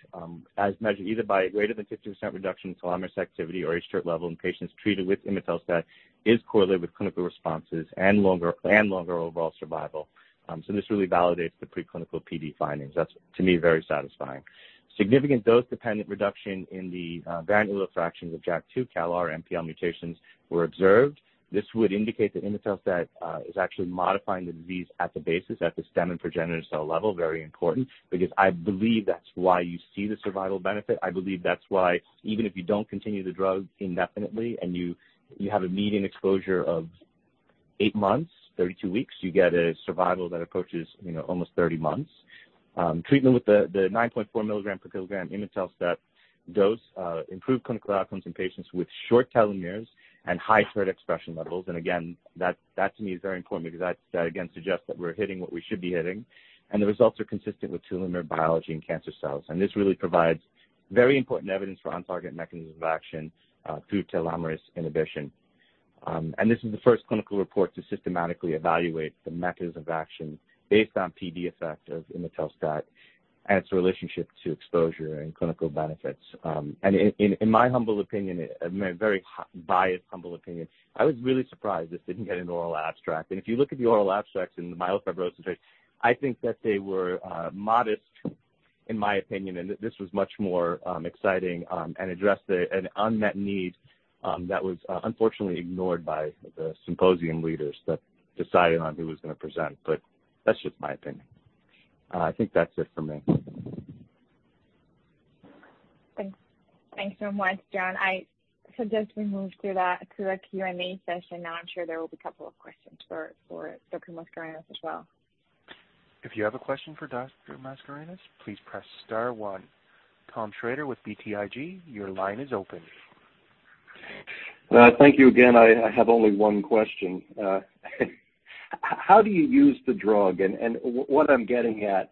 as measured either by a greater than 50% reduction in telomerase activity or hTERT level in patients treated with imetelstat is correlated with clinical responses and longer overall survival. This really validates the preclinical PD findings. That is, to me, very satisfying. Significant dose-dependent reduction in the granulocyte fractions of JAK2, CALR, and MPL mutations were observed. This would indicate that imetelstat is actually modifying the disease at the basis, at the stem and progenitor cell level, very important because I believe that's why you see the survival benefit. I believe that's why even if you don't continue the drug indefinitely and you have a median exposure of eight months, 32 weeks, you get a survival that approaches almost 30 months. Treatment with the 9.4 mg per kg imetelstat dose improved clinical outcomes in patients with short telomeres and high TERT expression levels. That to me is very important because that, again, suggests that we're hitting what we should be hitting. The results are consistent with telomere biology in cancer cells. This really provides very important evidence for on-target mechanism of action through telomerase inhibition. This is the first clinical report to systematically evaluate the mechanism of action based on PD effect of imetelstat and its relationship to exposure and clinical benefits. In my humble opinion, a very biased humble opinion, I was really surprised this did not get an oral abstract. If you look at the oral abstracts in the myelofibrosis studies, I think that they were modest, in my opinion, and this was much more exciting and addressed an unmet need that was unfortunately ignored by the symposium leaders that decided on who was going to present. That is just my opinion. I think that is it for me. Thanks so much, John. Just as we moved through that Q&A session, now I'm sure there will be a couple of questions for Dr. Mascarenhas as well. If you have a question for Dr. Mascarenhas, please press star one. Tom Schrader with BTIG, your line is open. Thank you again. I have only one question. How do you use the drug? What I'm getting at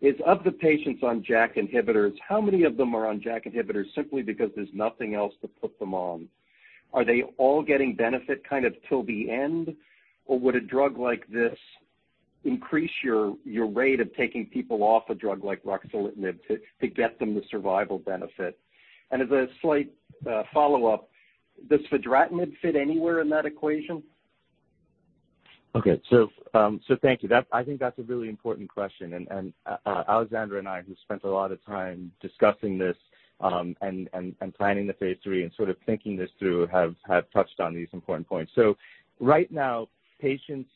is of the patients on JAK inhibitors, how many of them are on JAK inhibitors simply because there's nothing else to put them on? Are they all getting benefit kind of till the end? Would a drug like this increase your rate of taking people off a drug like ruxolitinib to get them the survival benefit? As a slight follow-up, does fedratinib fit anywhere in that equation? Thank you. I think that's a really important question. Aleksandra and I, who spent a lot of time discussing this and planning the phase III and sort of thinking this through, have touched on these important points. Right now, patients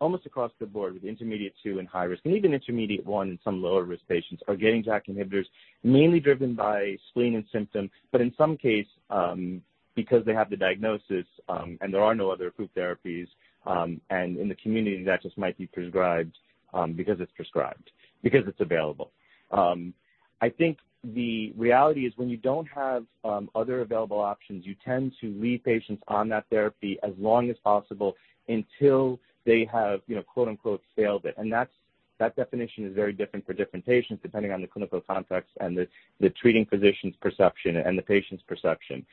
almost across the board with Intermediate-2 and high risk, and even Intermediate-1 and some lower risk patients are getting JAK inhibitors, mainly driven by spleen and symptom, but in some cases, because they have the diagnosis and there are no other approved therapies, and in the community, that just might be prescribed because it's prescribed, because it's available. I think the reality is when you do not have other available options, you tend to leave patients on that therapy as long as possible until they have "failed it." That definition is very different for different patients depending on the clinical context and the treating physician's perception and the patient's perception.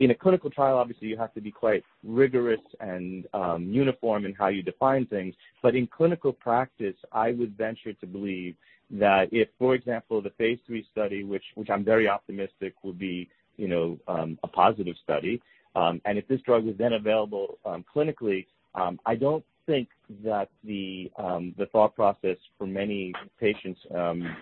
In a clinical trial, obviously, you have to be quite rigorous and uniform in how you define things. In clinical practice, I would venture to believe that if, for example, the phase III study, which I am very optimistic will be a positive study, and if this drug is then available clinically, I do not think that the thought process for many patients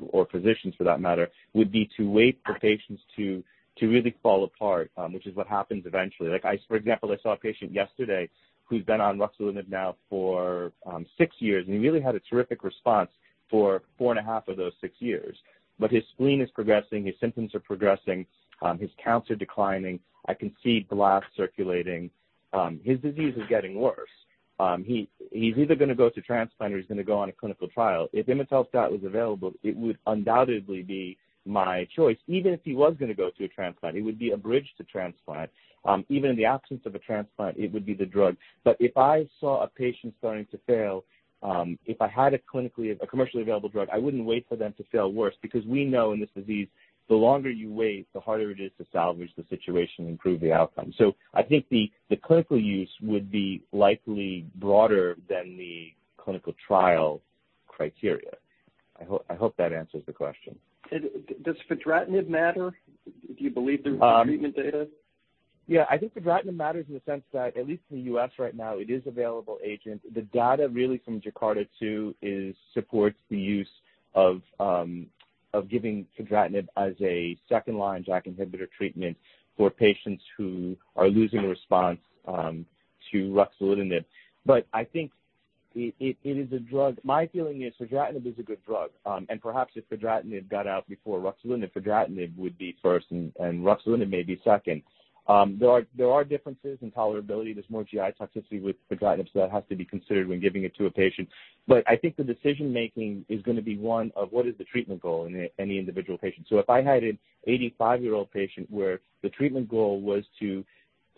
or physicians for that matter would be to wait for patients to really fall apart, which is what happens eventually. For example, I saw a patient yesterday who's been on ruxolitinib now for six years, and he really had a terrific response for four and a half of those six years. His spleen is progressing, his symptoms are progressing, his counts are declining, I can see blasts circulating. His disease is getting worse. He's either going to go to transplant or he's going to go on a clinical trial. If imetelstat was available, it would undoubtedly be my choice. Even if he was going to go to a transplant, it would be a bridge to transplant. Even in the absence of a transplant, it would be the drug. If I saw a patient starting to fail, if I had a commercially available drug, I wouldn't wait for them to fail worse because we know in this disease, the longer you wait, the harder it is to salvage the situation and improve the outcome. I think the clinical use would be likely broader than the clinical trial criteria. I hope that answers the question. Does fedratinib matter? Do you believe there's treatment data? Yeah. I think fedratinib matters in the sense that at least in the U.S. right now, it is available agent. The data really from JAKARTA-2 supports the use of giving fedratinib as a second-line JAK inhibitor treatment for patients who are losing a response to ruxolitinib. I think it is a drug. My feeling is fedratinib is a good drug. Perhaps if fedratinib got out before ruxolitinib, fedratinib would be first and ruxolitinib may be second. There are differences in tolerability. There is more GI toxicity with fedratinib, so that has to be considered when giving it to a patient. I think the decision-making is going to be one of what is the treatment goal in any individual patient. If I had an 85-year-old patient where the treatment goal was to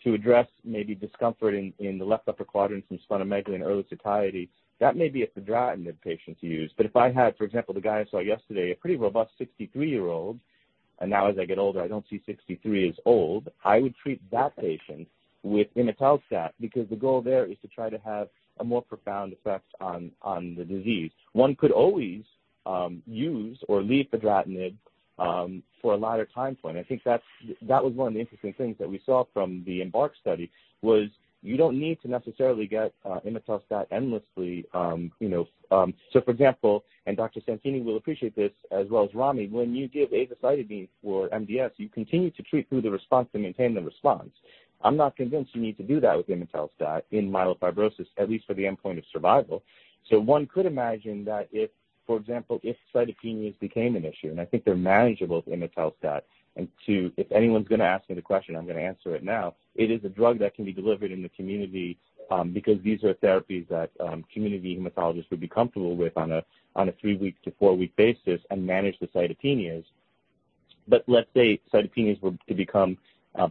address maybe discomfort in the left upper quadrant from splenomegaly and early satiety, that may be a fedratinib patient to use. If I had, for example, the guy I saw yesterday, a pretty robust 63-year-old, and now as I get older, I do not see 63 as old, I would treat that patient with imetelstat because the goal there is to try to have a more profound effect on the disease. One could always use or leave fedratinib for a later time point. I think that was one of the interesting things that we saw from the IMbark study was you do not need to necessarily get imetelstat endlessly. For example, and Dr. Santini will appreciate this as well as Rami, when you give azacitidine for MDS, you continue to treat through the response to maintain the response. I'm not convinced you need to do that with imetelstat in myelofibrosis, at least for the endpoint of survival. One could imagine that, for example, if cytopenias became an issue, and I think they're manageable with imetelstat, and if anyone's going to ask me the question, I'm going to answer it now, it is a drug that can be delivered in the community because these are therapies that community hematologists would be comfortable with on a three-week to four-week basis and manage the cytopenias. Let's say cytopenias were to become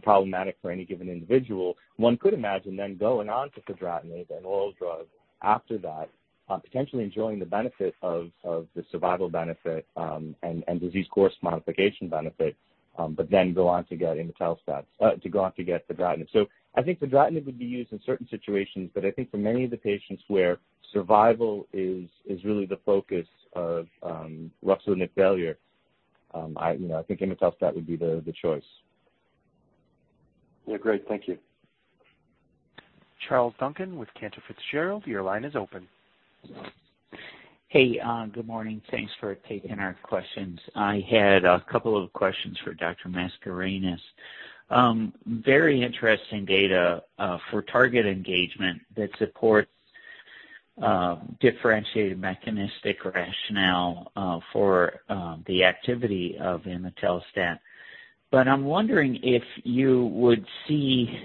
problematic for any given individual, one could imagine then going on to fedratinib, an oral drug after that, potentially enjoying the benefit of the survival benefit and disease course modification benefit, but then go on to get imetelstat, to go on to get fedratinib. I think fedratinib would be used in certain situations, but I think for many of the patients where survival is really the focus of ruxolitinib failure, I think imetelstat would be the choice. Yeah. Great. Thank you. Charles Duncan with Cantor Fitzgerald, your line is open. Hey. Good morning. Thanks for taking our questions. I had a couple of questions for Dr. Mascarenhas. Very interesting data for target engagement that supports differentiated mechanistic rationale for the activity of imetelstat. I'm wondering if you would see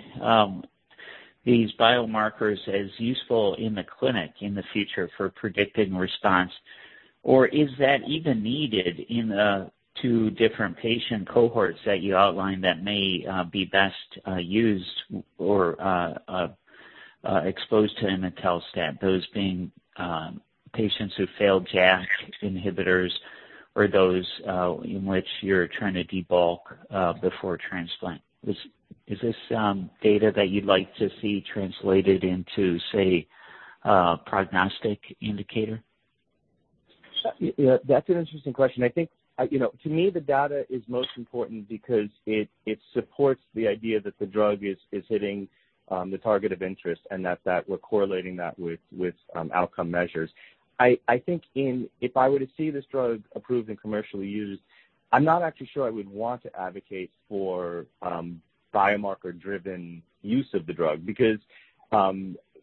these biomarkers as useful in the clinic in the future for predicting response, or is that even needed in the two different patient cohorts that you outlined that may be best used or exposed to imetelstat, those being patients who failed JAK inhibitors or those in which you're trying to debulk before transplant? Is this data that you'd like to see translated into, say, a prognostic indicator? That's an interesting question. I think to me, the data is most important because it supports the idea that the drug is hitting the target of interest and that we're correlating that with outcome measures. I think if I were to see this drug approved and commercially used, I'm not actually sure I would want to advocate for biomarker-driven use of the drug because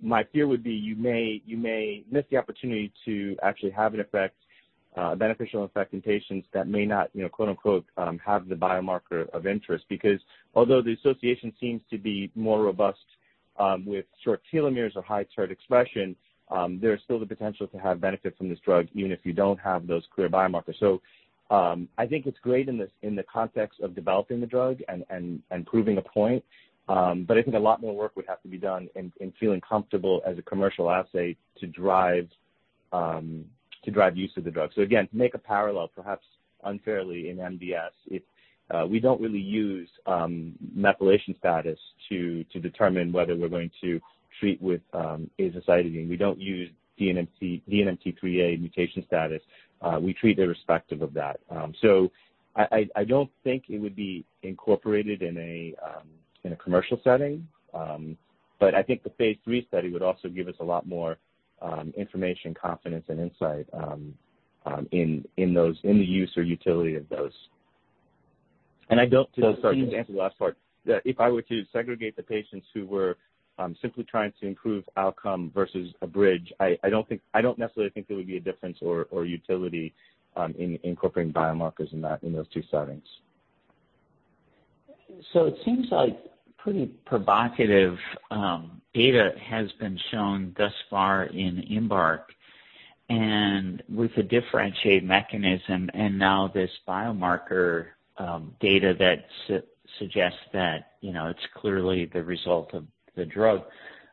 my fear would be you may miss the opportunity to actually have a beneficial effect in patients that may not "have the biomarker of interest" because although the association seems to be more robust with short telomeres or high TERT expression, there is still the potential to have benefit from this drug even if you don't have those clear biomarkers. I think it's great in the context of developing the drug and proving a point, but I think a lot more work would have to be done in feeling comfortable as a commercial assay to drive use of the drug. Again, to make a parallel, perhaps unfairly in MDS, we don't really use methylation status to determine whether we're going to treat with azacitidine. We don't use DNMT3A mutation status. We treat irrespective of that. I don't think it would be incorporated in a commercial setting, but I think the phase III study would also give us a lot more information, confidence, and insight in the use or utility of those. I don't think—sorry, I didn't answer the last part. If I were to segregate the patients who were simply trying to improve outcome versus a bridge, I don't necessarily think there would be a difference or utility in incorporating biomarkers in those two settings. It seems like pretty provocative data has been shown thus far in IMbark and with a differentiated mechanism and now this biomarker data that suggests that it's clearly the result of the drug.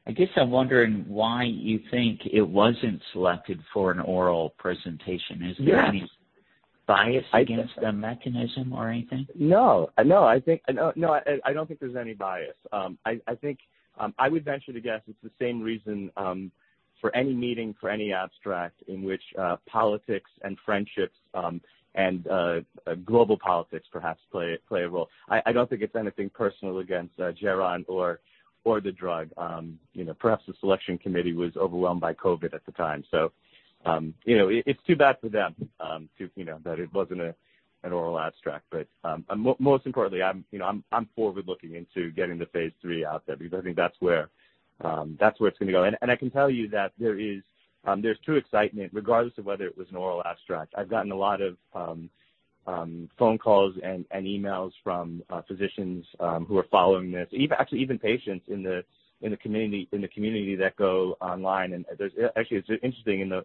I guess I'm wondering why you think it wasn't selected for an oral presentation. Is there any bias against the mechanism or anything? No. No. I don't think there's any bias. I would venture to guess it's the same reason for any meeting, for any abstract, in which politics and friendships and global politics perhaps play a role. I don't think it's anything personal against Geron or the drug. Perhaps the selection committee was overwhelmed by COVID at the time. It's too bad for them that it wasn't an oral abstract. Most importantly, I'm forward-looking into getting the phase III out there because I think that's where it's going to go. I can tell you that there's true excitement regardless of whether it was an oral abstract. I've gotten a lot of phone calls and emails from physicians who are following this, actually even patients in the community that go online. Actually, it's interesting,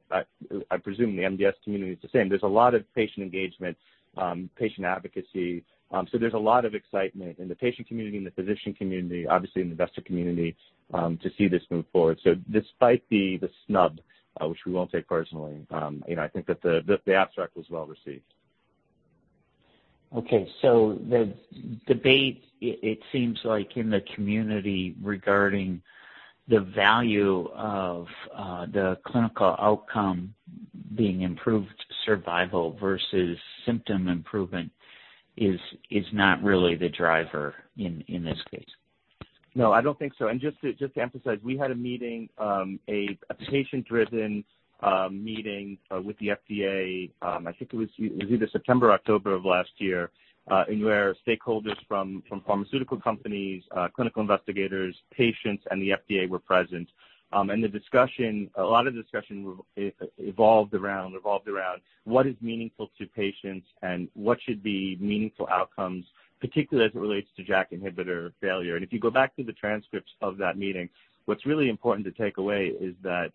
I presume the MDS community is the same. There's a lot of patient engagement, patient advocacy. There is a lot of excitement in the patient community, in the physician community, obviously in the investor community to see this move forward. Despite the snub, which we will not take personally, I think that the abstract was well received. Okay. The debate, it seems like in the community regarding the value of the clinical outcome being improved survival versus symptom improvement is not really the driver in this case. No. I do not think so. Just to emphasize, we had a meeting, a patient-driven meeting with the FDA. I think it was either September or October of last year where stakeholders from pharmaceutical companies, clinical investigators, patients, and the FDA were present. A lot of the discussion revolved around what is meaningful to patients and what should be meaningful outcomes, particularly as it relates to JAK inhibitor failure. If you go back to the transcripts of that meeting, what is really important to take away is that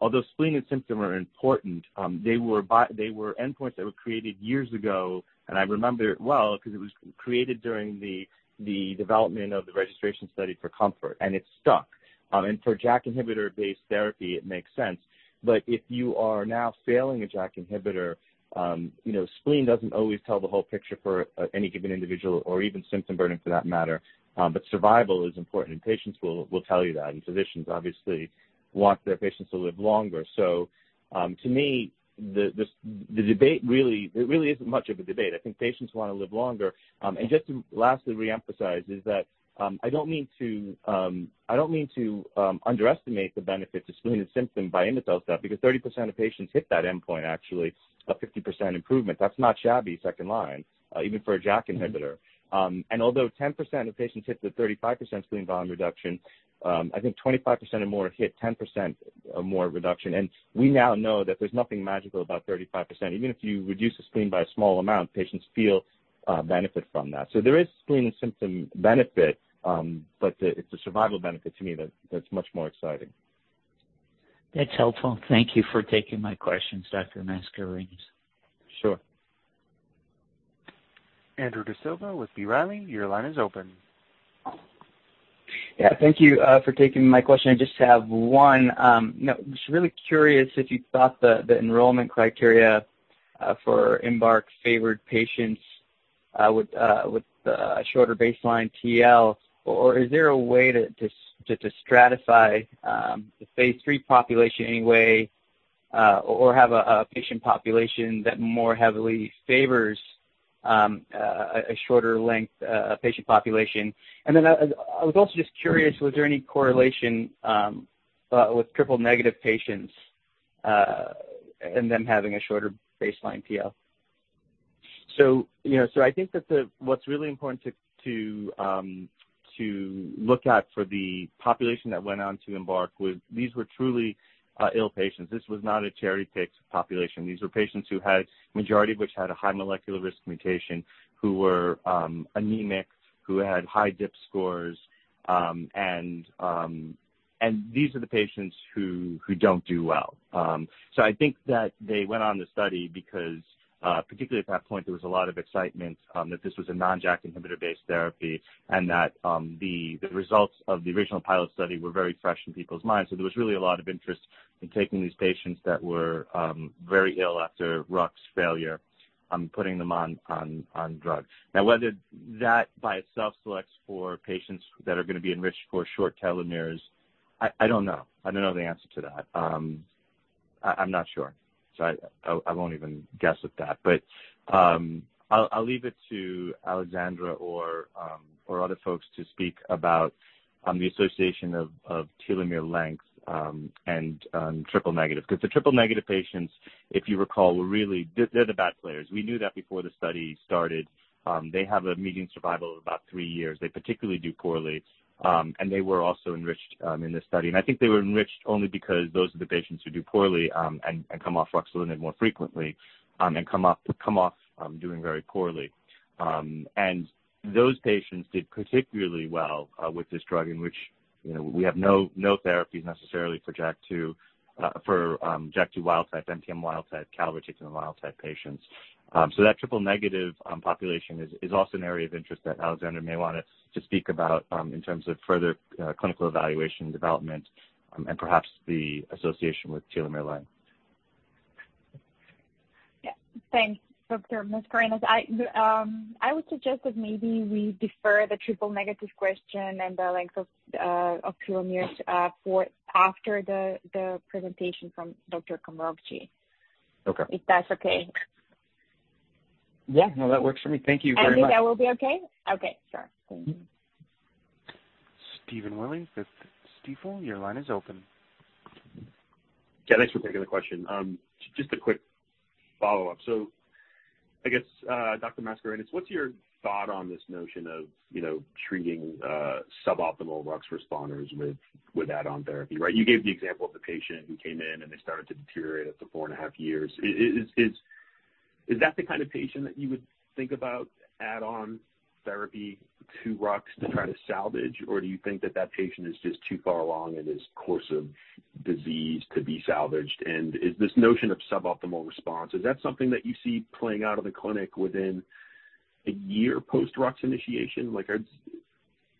although spleen and symptom are important, they were endpoints that were created years ago, and I remember well because it was created during the development of the registration study for COMFORT, and it stuck. For JAK inhibitor-based therapy, it makes sense. If you are now failing a JAK inhibitor, spleen does not always tell the whole picture for any given individual or even symptom burden for that matter. Survival is important, and patients will tell you that. Physicians obviously want their patients to live longer. To me, the debate, it really is not much of a debate. I think patients want to live longer. Just to lastly reemphasize is that I do not mean to—I do not mean to underestimate the benefit to spleen and symptom by imetelstat because 30% of patients hit that endpoint, actually, of 50% improvement. That is not shabby second line, even for a JAK inhibitor. Although 10% of patients hit the 35% spleen volume reduction, I think 25% or more hit 10% or more reduction. We now know that there is nothing magical about 35%. Even if you reduce the spleen by a small amount, patients feel benefit from that. There is spleen and symptom benefit, but it's a survival benefit to me that's much more exciting. That's helpful. Thank you for taking my questions, Dr. Mascarenhas. Sure. Andrew D'Silva with B. Riley, your line is open. Yeah. Thank you for taking my question. I just have one. Just really curious if you thought the enrollment criteria for IMbark favored patients with a shorter baseline TL, or is there a way to stratify the phase III population anyway or have a patient population that more heavily favors a shorter-length patient population? I was also just curious, was there any correlation with triple-negative patients and them having a shorter baseline TL? I think that what's really important to look at for the population that went on to IMbark was these were truly ill patients. This was not a cherry-picked population. These were patients who had, majority of which had a high molecular risk mutation, who were anemic, who had high DIPSS scores. These are the patients who don't do well. I think that they went on the study because, particularly at that point, there was a lot of excitement that this was a non-JAK inhibitor-based therapy and that the results of the original pilot study were very fresh in people's minds. There was really a lot of interest in taking these patients that were very ill after Ruxolitinib failure and putting them on drug. Now, whether that by itself selects for patients that are going to be enriched for short telomeres, I don't know. I don't know the answer to that. I'm not sure. I won't even guess at that. I'll leave it to Aleksandra or other folks to speak about the association of telomere length and triple-negative. The triple-negative patients, if you recall, were really—they're the bad players. We knew that before the study started. They have a median survival of about three years. They particularly do poorly. They were also enriched in this study. I think they were enriched only because those are the patients who do poorly and come off ruxolitinib more frequently and come off doing very poorly. Those patients did particularly well with this drug, in which we have no therapies necessarily for JAK2, for JAK2 wild type, MPL wild type, calreticulin wild type patients. That triple-negative population is also an area of interest that Aleksandra may want to speak about in terms of further clinical evaluation and development and perhaps the association with telomere length. Yeah. Thanks, Dr. Mascarenhas. I would suggest that maybe we defer the triple-negative question and the length of telomeres after the presentation from Dr. Komrokji, if that's okay. Yeah. No, that works for me. Thank you very much. I think that will be okay. Okay. Sure. Thank you. Stephen Willey with Stifel, your line is open. Yeah. Thanks for taking the question. Just a quick follow-up. I guess, Dr. Mascarenhas, what's your thought on this notion of treating suboptimal RUX responders with add-on therapy, right? You gave the example of the patient who came in and they started to deteriorate after four and a half years. Is that the kind of patient that you would think about add-on therapy to RUX to try to salvage, or do you think that that patient is just too far along in his course of disease to be salvaged? Is this notion of suboptimal response something that you see playing out in the clinic within a year post-RUX initiation?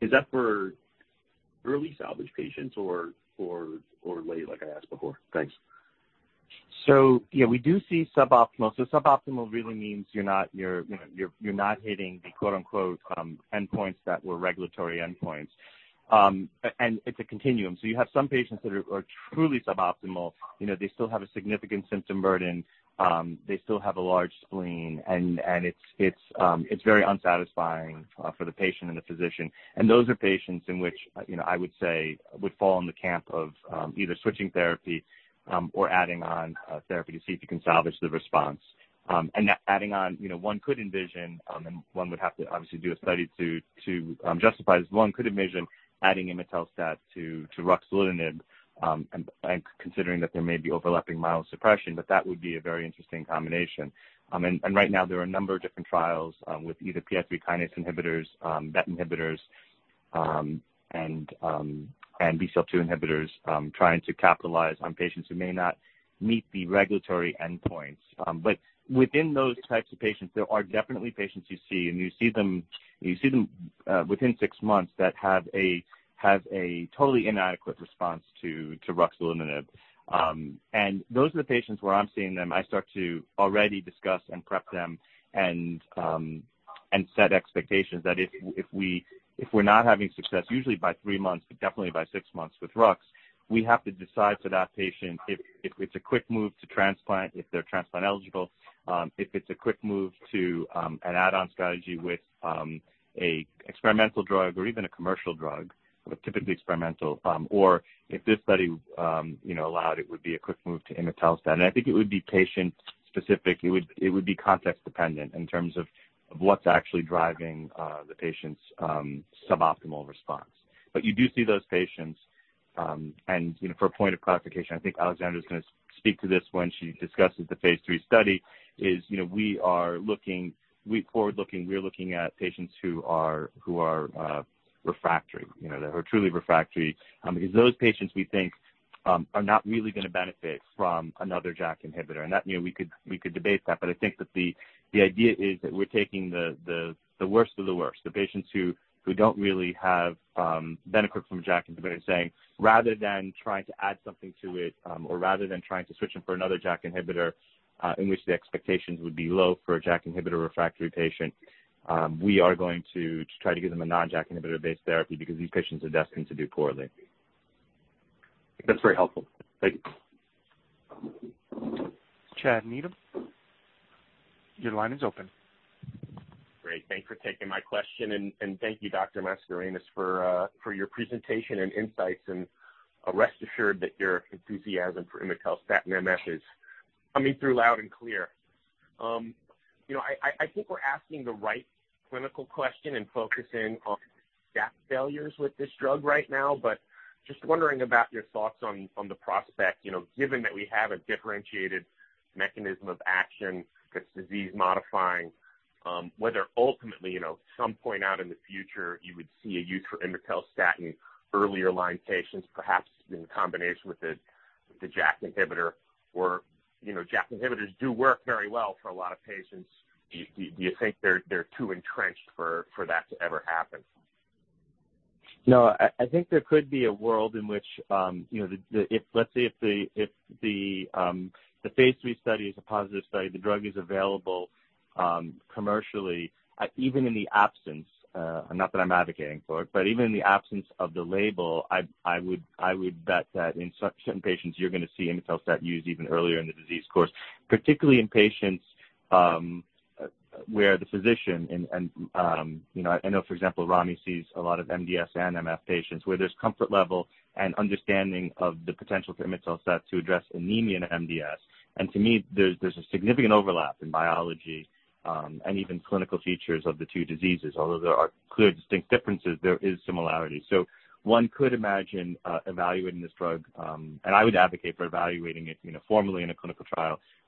Is that for early salvage patients or late, like I asked before? Thanks. Yeah, we do see suboptimal. Suboptimal really means you're not hitting the "endpoints" that were regulatory endpoints. It's a continuum. You have some patients that are truly suboptimal. They still have a significant symptom burden. They still have a large spleen. It's very unsatisfying for the patient and the physician. Those are patients in which I would say would fall in the camp of either switching therapy or adding on therapy to see if you can salvage the response. Adding on, one could envision, and one would have to obviously do a study to justify this, one could envision adding imetelstat to ruxolitinib and considering that there may be overlapping myelosuppression, but that would be a very interesting combination. Right now, there are a number of different trials with either PI3 kinase inhibitors, BET inhibitors, and BCL2 inhibitors trying to capitalize on patients who may not meet the regulatory endpoints. Within those types of patients, there are definitely patients you see, and you see them within six months that have a totally inadequate response to ruxolitinib. Those are the patients where I'm seeing them, I start to already discuss and prep them and set expectations that if we're not having success, usually by three months, but definitely by six months with RUX, we have to decide for that patient if it's a quick move to transplant, if they're transplant eligible, if it's a quick move to an add-on strategy with an experimental drug or even a commercial drug, typically experimental, or if this study allowed, it would be a quick move to imetelstat. I think it would be patient-specific. It would be context-dependent in terms of what's actually driving the patient's suboptimal response. You do see those patients. For a point of clarification, I think Aleksandra is going to speak to this when she discusses the phase III study. We are looking forward-looking. We're looking at patients who are refractory, who are truly refractory. Those patients we think are not really going to benefit from another JAK inhibitor. We could debate that. I think that the idea is that we're taking the worst of the worst, the patients who don't really have benefit from a JAK inhibitor, saying, rather than trying to add something to it or rather than trying to switch them for another JAK inhibitor in which the expectations would be low for a JAK inhibitor refractory patient, we are going to try to give them a non-JAK inhibitor-based therapy because these patients are destined to do poorly. That's very helpful. Thank you. Chad Messer, your line is open. Great. Thanks for taking my question. Thank you, Dr. Mascarenhas, for your presentation and insights. Rest assured that your enthusiasm for imetelstat and MS is coming through loud and clear. I think we're asking the right clinical question and focusing on JAK failures with this drug right now. Just wondering about your thoughts on the prospect, given that we have a differentiated mechanism of action that's disease-modifying, whether ultimately, some point out in the future, you would see a use for imetelstat in earlier-line patients, perhaps in combination with the JAK inhibitor, or JAK inhibitors do work very well for a lot of patients. Do you think they're too entrenched for that to ever happen? No. I think there could be a world in which, let's say if the phase III study is a positive study, the drug is available commercially, even in the absence—not that I'm advocating for it—but even in the absence of the label, I would bet that in certain patients, you're going to see imetelstat used even earlier in the disease course, particularly in patients where the physician—and I know, for example, Rami sees a lot of MDS and MF patients—where there's comfort level and understanding of the potential for imetelstat to address anemia and MDS. To me, there's a significant overlap in biology and even clinical features of the two diseases. Although there are clear distinct differences, there is similarity. One could imagine evaluating this drug, and I would advocate for evaluating it formally in a clinical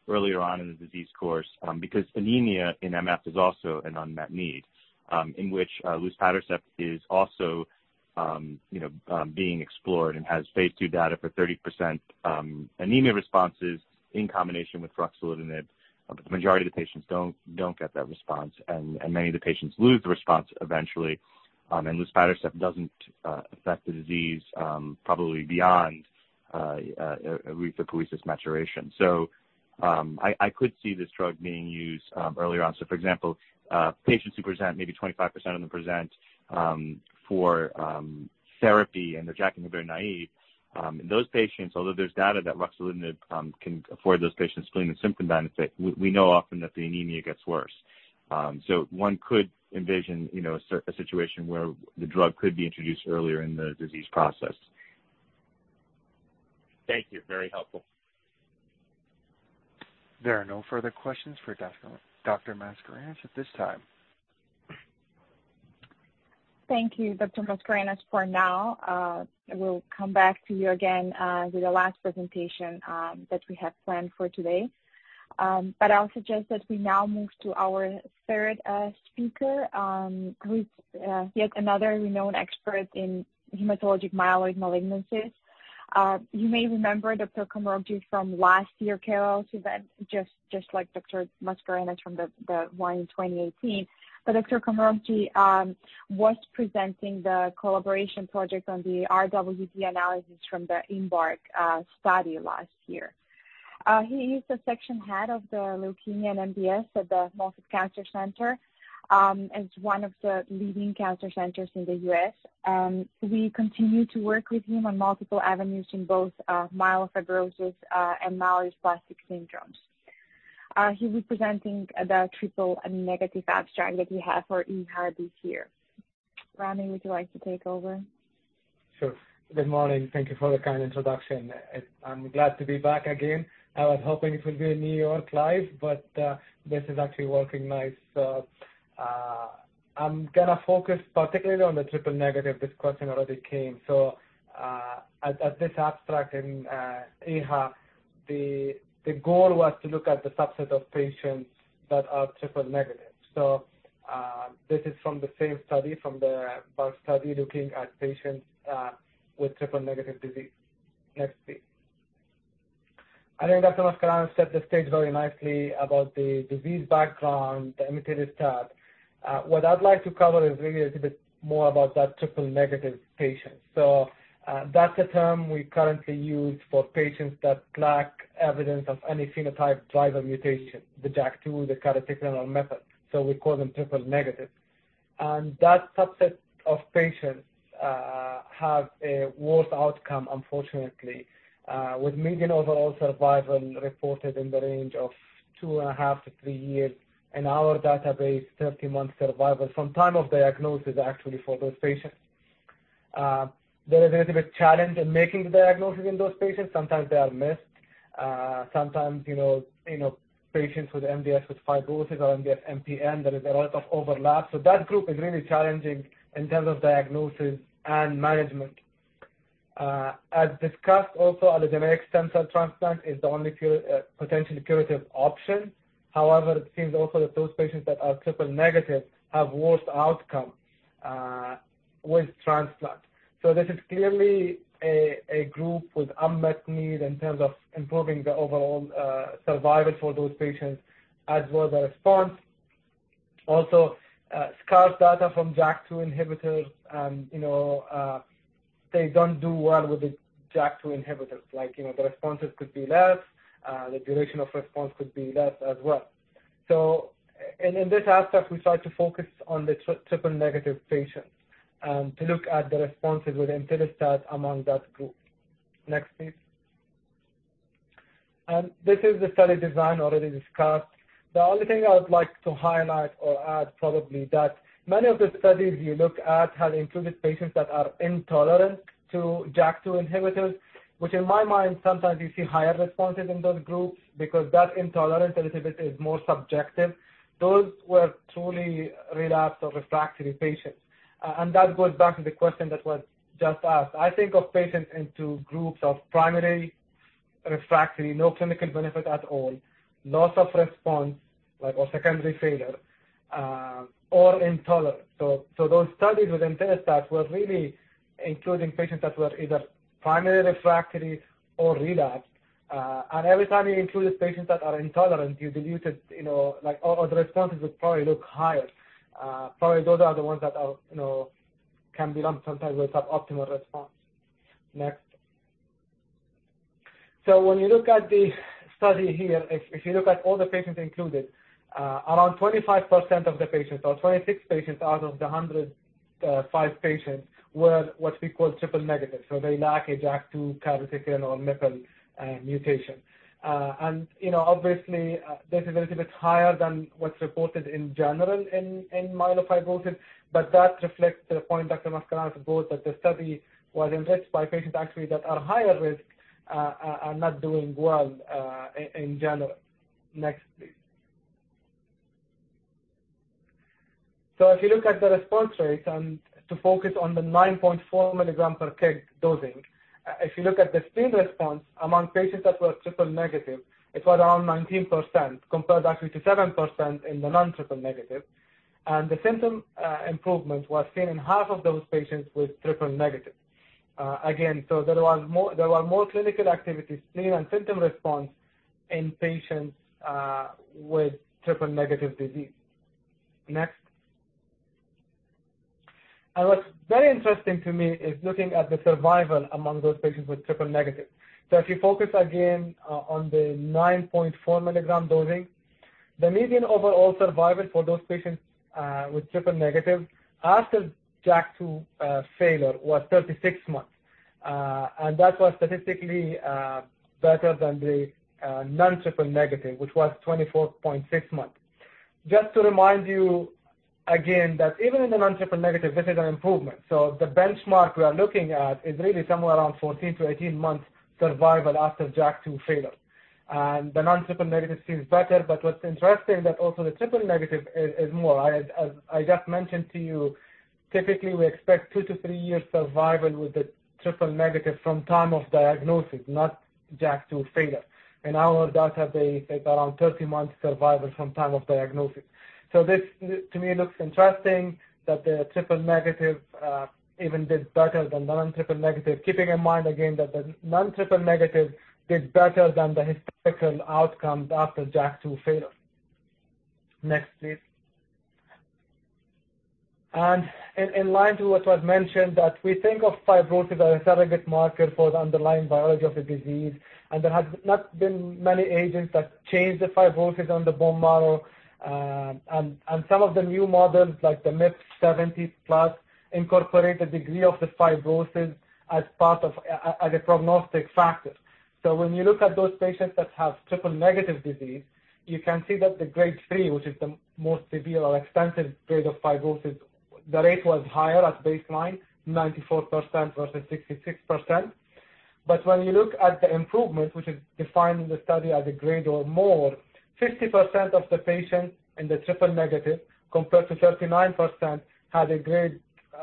trial earlier on in the disease course because anemia in MF is also an unmet need in which luspatercept is also being explored and has phase II data for 30% anemia responses in combination with ruxolitinib. The majority of the patients do not get that response. Many of the patients lose the response eventually. Luspatercept does not affect the disease probably beyond erythropoiesis maturation. I could see this drug being used earlier on. For example, patients who present, maybe 25% of them present for therapy and they are JAK inhibitor naive. In those patients, although there is data that ruxolitinib can afford those patients spleen and symptom benefit, we know often that the anemia gets worse. One could envision a situation where the drug could be introduced earlier in the disease process. Thank you. Very helpful. There are no further questions for Dr. Mascarenhas at this time. Thank you, Dr. Mascarenhas, for now. We'll come back to you again with the last presentation that we have planned for today. I suggest that we now move to our third speaker, who is yet another renowned expert in hematologic myeloid malignancies. You may remember Dr. Komrokji from last year's KOL event, just like Dr. Mascarenhas from the one in 2018. Dr. Komrokji was presenting the collaboration project on the RWD analysis from the IMbark study last year. He is the Section Head of Leukemia and MDS at the Moffitt Cancer Center as one of the leading cancer centers in the United States. We continue to work with him on multiple avenues in both myelofibrosis and myelodysplastic syndromes. He will be presenting the triple-negative abstract that we have for EHA here. Rami, would you like to take over? Sure. Good morning. Thank you for the kind introduction. I'm glad to be back again. I was hoping it would be a New York live, but this is actually working nice. I'm going to focus particularly on the triple-negative. This question already came. At this abstract in EHA, the goal was to look at the subset of patients that are triple-negative. This is from the same study, from the study looking at patients with triple-negative disease. Next, please. I think Dr. Mascarenhas set the stage very nicely about the disease background, the imetelstat. What I'd like to cover is really a little bit more about that triple-negative patient. That's a term we currently use for patients that lack evidence of any phenotype driver mutation, the JAK2, the CALR, the MPL. We call them triple-negative. That subset of patients have a worse outcome, unfortunately, with median overall survival reported in the range of two and a half to three years in our database, 30-month survival from time of diagnosis, actually, for those patients. There is a little bit of challenge in making the diagnosis in those patients. Sometimes they are missed. Sometimes patients with MDS with fibrosis or MDS/MPN, there is a lot of overlap. That group is really challenging in terms of diagnosis and management. As discussed also, allogeneic stem cell transplant is the only potentially curative option. However, it seems also that those patients that are triple-negative have worse outcome with transplant. This is clearly a group with unmet need in terms of improving the overall survival for those patients as well as the response. Also, scarce data from JAK2 inhibitors. They do not do well with the JAK2 inhibitors. The responses could be less. The duration of response could be less as well. In this abstract, we tried to focus on the triple-negative patients to look at the responses with imetelstat among that group. Next, please. This is the study design already discussed. The only thing I would like to highlight or add probably is that many of the studies you look at have included patients that are intolerant to JAK2 inhibitors, which in my mind, sometimes you see higher responses in those groups because that intolerance a little bit is more subjective. Those were truly relapse or refractory patients. That goes back to the question that was just asked. I think of patients into groups of primary refractory, no clinical benefit at all, loss of response, or secondary failure, or intolerant. Those studies with imetelstat were really including patients that were either primary refractory or relapse. Every time you included patients that are intolerant, you diluted or the responses would probably look higher. Probably those are the ones that can be sometimes with suboptimal response. Next. When you look at the study here, if you look at all the patients included, around 25% of the patients or 26 patients out of the 105 patients were what we call triple-negative. They lack a JAK2, CALR, or MPL mutation. Obviously, this is a little bit higher than what is reported in general in myelofibrosis. That reflects the point Dr. Mascarenhas brought, that the study was enriched by patients actually that are higher risk and not doing well in general. Next, please. If you look at the response rates and to focus on the 9.4 milligram per kg dosing, if you look at the spleen response among patients that were triple-negative, it was around 19% compared actually to 7% in the non-triple-negative. The symptom improvement was seen in half of those patients with triple-negative. Again, there were more clinical activity, spleen, and symptom response in patients with triple-negative disease. Next. What's very interesting to me is looking at the survival among those patients with triple-negative. If you focus again on the 9.4 milligram dosing, the median overall survival for those patients with triple-negative after JAK2 failure was 36 months. That was statistically better than the non-triple-negative, which was 24.6 months. Just to remind you again that even in the non-triple-negative, this is an improvement. The benchmark we are looking at is really somewhere around 14-18 months survival after JAK2 failure. The non-triple-negative seems better. What's interesting is that also the triple-negative is more. As I just mentioned to you, typically we expect two to three years survival with the triple-negative from time of diagnosis, not JAK2 failure. In our database, it's around 30 months survival from time of diagnosis. This, to me, looks interesting that the triple-negative even did better than the non-triple-negative, keeping in mind again that the non-triple-negative did better than the historical outcome after JAK2 failure. Next, please. In line to what was mentioned, we think of fibrosis as a surrogate marker for the underlying biology of the disease. There have not been many agents that change the fibrosis on the bone marrow. Some of the new models, like the MIPSS70+, incorporate the degree of the fibrosis as part of a prognostic factor. When you look at those patients that have triple-negative disease, you can see that the grade 3, which is the most severe or extensive grade of fibrosis, the rate was higher at baseline, 94% versus 66%. When you look at the improvement, which is defined in the study as a grade or more, 50% of the patients in the triple-negative compared to 39% had a grade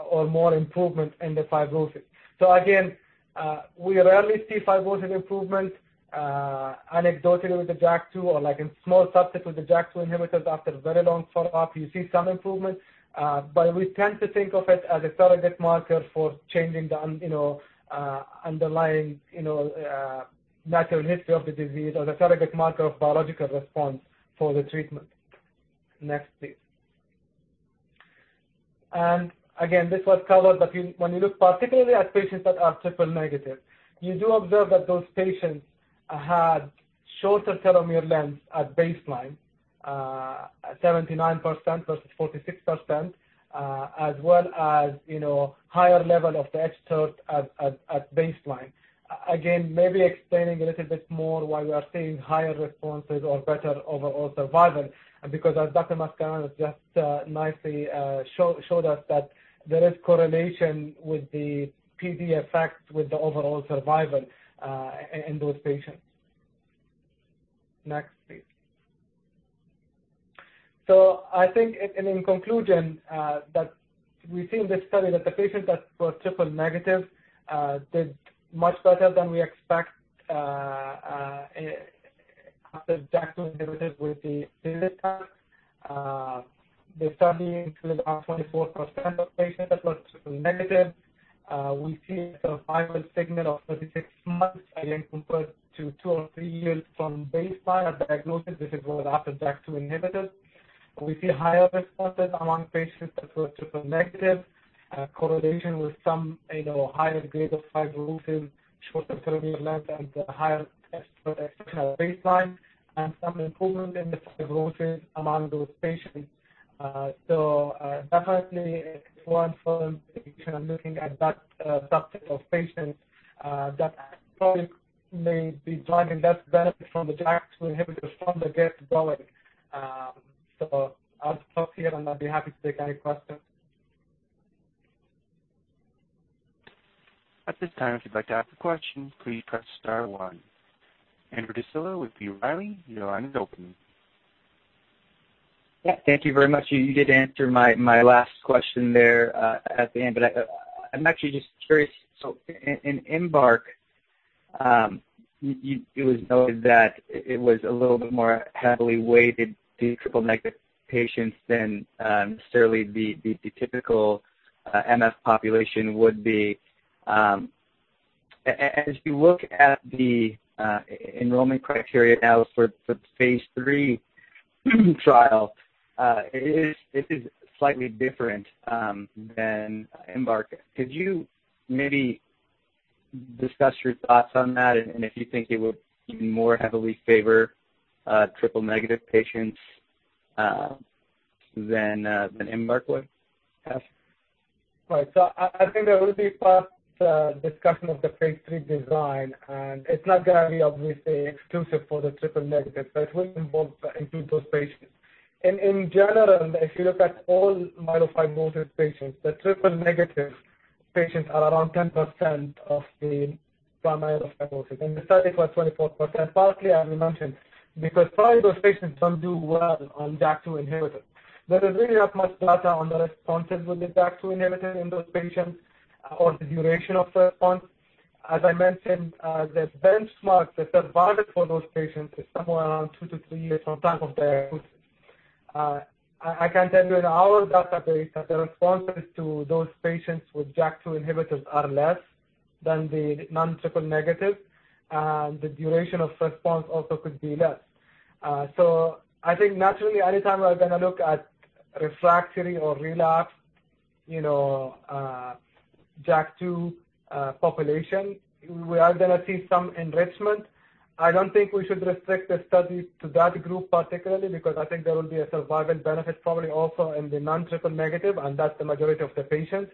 or more improvement in the fibrosis. Again, we rarely see fibrosis improvement anecdotally with the JAK2 or in a small subset with the JAK2 inhibitors after very long follow-up. You see some improvement. We tend to think of it as a surrogate marker for changing the underlying natural history of the disease or the surrogate marker of biological response for the treatment. Next, please. This was covered. When you look particularly at patients that are triple-negative, you do observe that those patients had shorter telomere length at baseline, 79% versus 46%, as well as higher level of the hTERT at baseline. Maybe explaining a little bit more why we are seeing higher responses or better overall survival. As Dr. Mascarenhas just nicely showed us, there is correlation with the PD effect with the overall survival in those patients. Next, please. I think in conclusion, that we see in this study that the patients that were triple-negative did much better than we expect after JAK2 inhibitors with imetelstat. The study included around 24% of patients that were triple-negative. We see a survival signal of 36 months again compared to two or three years from baseline of diagnosis. This is after JAK2 inhibitors. We see higher responses among patients that were triple-negative, correlation with some higher grade of fibrosis, shorter telomere length, and higher baseline, and some improvement in the fibrosis among those patients. Definitely, it's worth for the patient looking at that subset of patients that probably may be driving less benefit from the JAK2 inhibitors from the get-going. I'll stop here and I'd be happy to take any questions. At this time, if you'd like to ask a question, please press star one. Andrew D'Silva with B. Riley. You're line is open. Yeah. Thank you very much. You did answer my last question there at the end. I'm actually just curious. In IMbark, it was noted that it was a little bit more heavily weighted to the triple-negative patients than necessarily the typical MF population would be. As you look at the enrollment criteria now for the phase III trial, it is slightly different than IMbark. Could you maybe discuss your thoughts on that and if you think it would more heavily favor triple-negative patients than IMbark would have? Right. I think there will be first discussion of the phase III design. It is not going to be, obviously, exclusive for the triple-negative, but it will include those patients. In general, if you look at all myelofibrosis patients, the triple-negative patients are around 10% of the primary fibrosis. The study was 24%. Partly, as we mentioned, because probably those patients do not do well on JAK2 inhibitors. There is really not much data on the responses with the JAK2 inhibitor in those patients or the duration of the response. As I mentioned, the benchmark, the survival for those patients is somewhere around two to three years from time of diagnosis. I can tell you in our database that the responses to those patients with JAK2 inhibitors are less than the non-triple-negative. The duration of response also could be less. I think naturally, anytime we're going to look at refractory or relapse JAK2 population, we are going to see some enrichment. I don't think we should restrict the study to that group particularly because I think there will be a survival benefit probably also in the non-triple-negative, and that's the majority of the patients.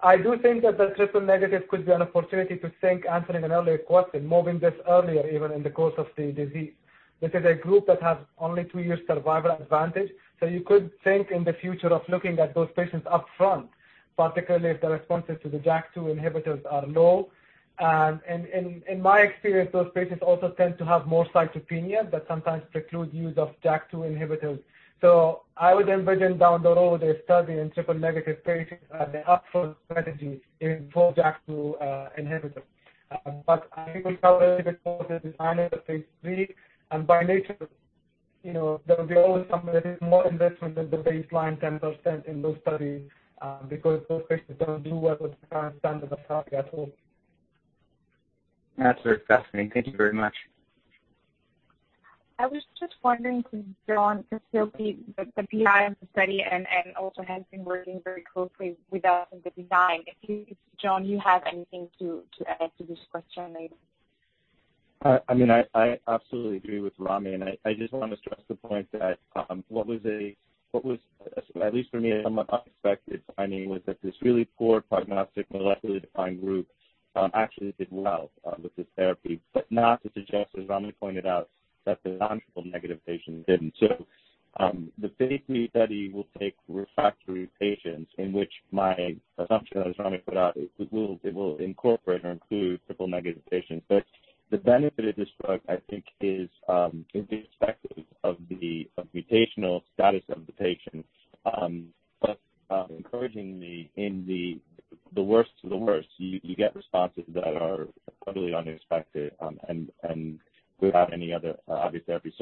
I do think that the triple-negative could be an opportunity to think, answering an earlier question, moving this earlier even in the course of the disease. This is a group that has only two years survival advantage. You could think in the future of looking at those patients upfront, particularly if the responses to the JAK2 inhibitors are low. In my experience, those patients also tend to have more cytopenias that sometimes preclude use of JAK2 inhibitors. I would envision down the road a study in triple-negative patients as an upfront strategy for JAK2 inhibitors. I think we covered a little bit more of the design of the phase III. By nature, there will always be some more investment than the baseline 10% in those studies because those patients do not do well with the current standard of study at all. That's very fascinating. Thank you very much. I was just wondering, John, because he'll be the PI of the study and also has been working very closely with us in the design. John, you have anything to add to this question, maybe? I mean, I absolutely agree with Rami. I just want to stress the point that what was, at least for me, somewhat unexpected finding was that this really poor prognostic molecularly defined group actually did well with this therapy. Not to suggest, as Rami pointed out, that the non-triple-negative patients did not. The phase III study will take refractory patients in which my assumption, as Rami put out, is it will incorporate or include triple-negative patients. The benefit of this drug, I think, is irrespective of the mutational status of the patient. Encouragingly, in the worst of the worst, you get responses that are totally unexpected and without any other obvious therapy.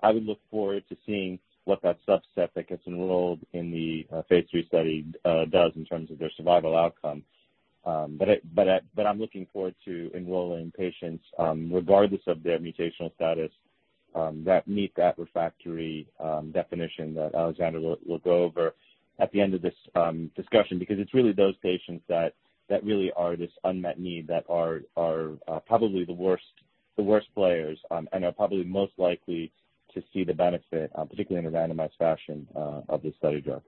I would look forward to seeing what that subset that gets enrolled in the phase III study does in terms of their survival outcome. I'm looking forward to enrolling patients regardless of their mutational status that meet that refractory definition that Aleksandra will go over at the end of this discussion because it's really those patients that really are this unmet need that are probably the worst players and are probably most likely to see the benefit, particularly in a randomized fashion, of this study drug.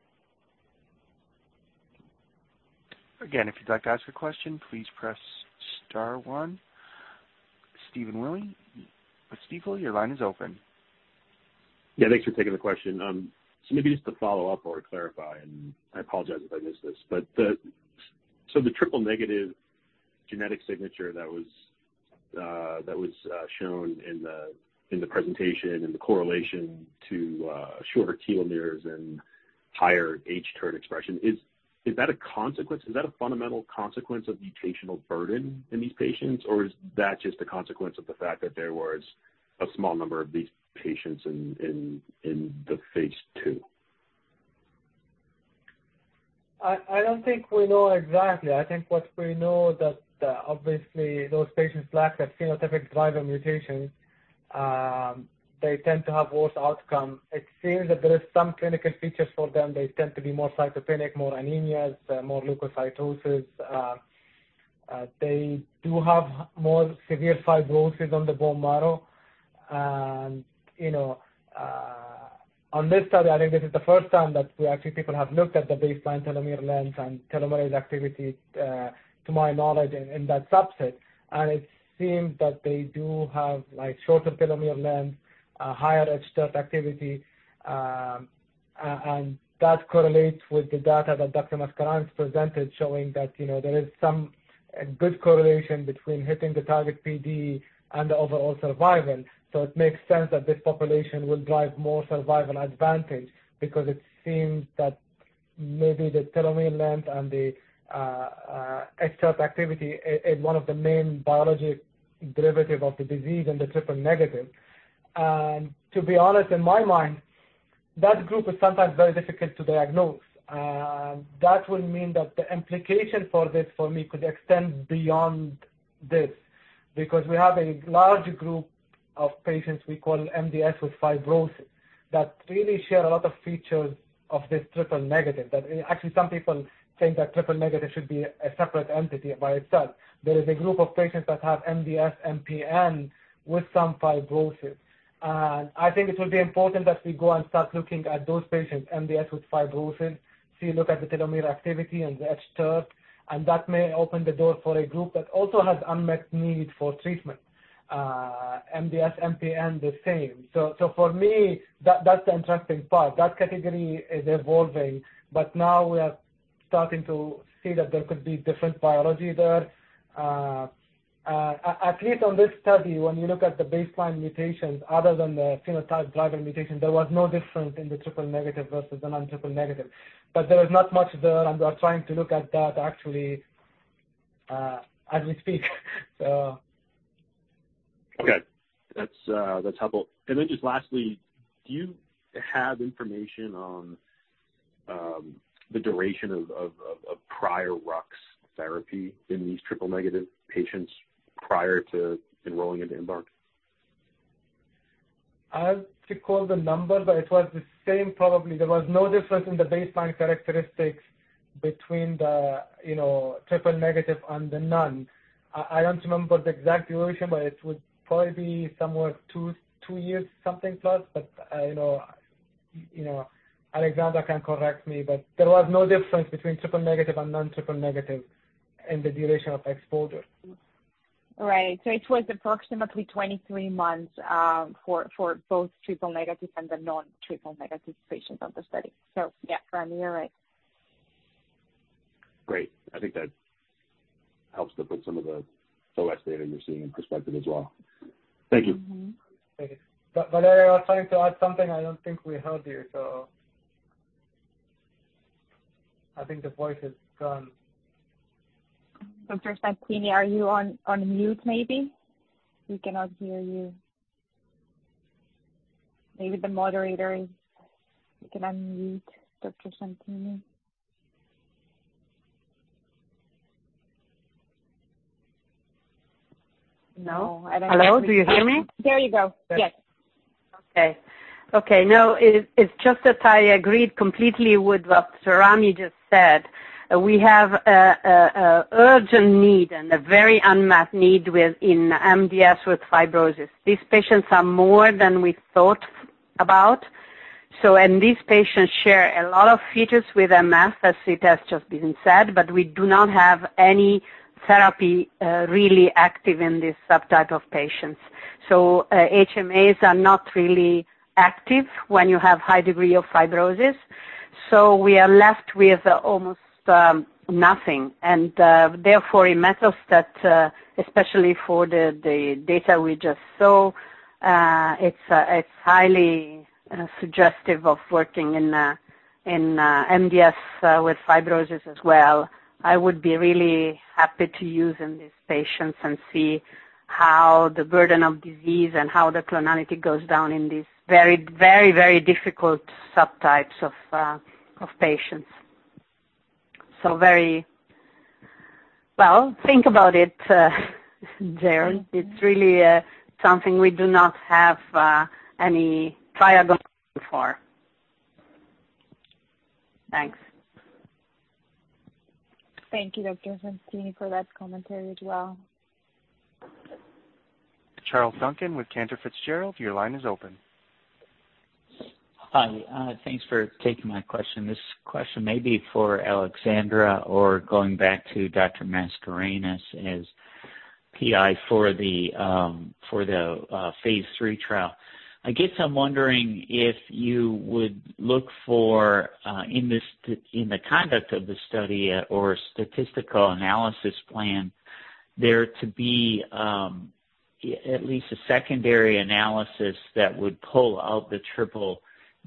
Again, if you'd like to ask a question, please press star one. Stephen Willey, your line is open. Yeah. Thanks for taking the question. Maybe just to follow up or clarify, and I apologize if I missed this. The triple-negative genetic signature that was shown in the presentation and the correlation to shorter telomeres and higher hTERT expression, is that a consequence? Is that a fundamental consequence of mutational burden in these patients? Or is that just a consequence of the fact that there was a small number of these patients in the phase II? I don't think we know exactly. I think what we know is that, obviously, those patients lack a phenotypic driver mutation. They tend to have worse outcome. It seems that there are some clinical features for them. They tend to be more cytopenic, more anemias, more leukocytosis. They do have more severe fibrosis on the bone marrow. In this study, I think this is the first time that actually people have looked at the baseline telomere length and telomerase activity, to my knowledge, in that subset. It seems that they do have shorter telomere length, higher hTERT activity. That correlates with the data that Dr. Mascarenhas presented, showing that there is some good correlation between hitting the target PD and the overall survival. It makes sense that this population will drive more survival advantage because it seems that maybe the telomere length and the hTERT activity is one of the main biologic derivatives of the disease in the triple-negative. To be honest, in my mind, that group is sometimes very difficult to diagnose. That will mean that the implication for this, for me, could extend beyond this because we have a large group of patients we call MDS with fibrosis that really share a lot of features of this triple-negative. Actually, some people think that triple-negative should be a separate entity by itself. There is a group of patients that have MDS MPN with some fibrosis. I think it would be important that we go and start looking at those patients, MDS with fibrosis, see, look at the telomere activity and the hTERT. That may open the door for a group that also has unmet need for treatment, MDS MPN the same. For me, that is the interesting part. That category is evolving. Now we are starting to see that there could be different biology there. At least on this study, when you look at the baseline mutations other than the phenotype driver mutation, there was no difference in the triple-negative versus the non-triple-negative. There is not much there. We are trying to look at that actually as we speak. Okay. That's helpful. Lastly, do you have information on the duration of prior RUX therapy in these triple-negative patients prior to enrolling into IMbark? I have to call the number, but it was the same probably. There was no difference in the baseline characteristics between the triple-negative and the non. I do not remember the exact duration, but it would probably be somewhere two years, something plus. Aleksandra can correct me. There was no difference between triple-negative and non-triple-negative in the duration of exposure. Right. It was approximately 23 months for both triple-negative and the non-triple-negative patients on the study. Yeah, Rami, you're right. Great. I think that helps to put some of the OS data you're seeing in perspective as well. Thank you. Valeria, you're trying to add something. I don't think we heard you. I think the voice is gone. Dr. Santini, are you on mute maybe? We cannot hear you. Maybe the moderator is. You can unmute, Dr. Santini. No. I do not hear you. Hello? Do you hear me? There you go. Yes. Okay. Okay. No, it's just that I agreed completely with what Rami just said. We have an urgent need and a very unmet need in MDS with fibrosis. These patients are more than we thought about. These patients share a lot of features with MF, as it has just been said. We do not have any therapy really active in this subtype of patients. HMAs are not really active when you have a high degree of fibrosis. We are left with almost nothing. Therefore, it matters that, especially for the data we just saw, it's highly suggestive of working in MDS with fibrosis as well. I would be really happy to use in these patients and see how the burden of disease and how the clonality goes down in these very, very, very difficult subtypes of patients. Very well, think about it, really. It's really something we do not have any trial going for. Thanks. Thank you, Dr. Santini, for that commentary as well. Charles Duncan with Cantor Fitzgerald, your line is open. Hi. Thanks for taking my question. This question may be for Aleksandra or going back to Dr. Mascarenhas as PI for the phase III trial. I guess I'm wondering if you would look for, in the conduct of the study or statistical analysis plan, there to be at least a secondary analysis that would pull out the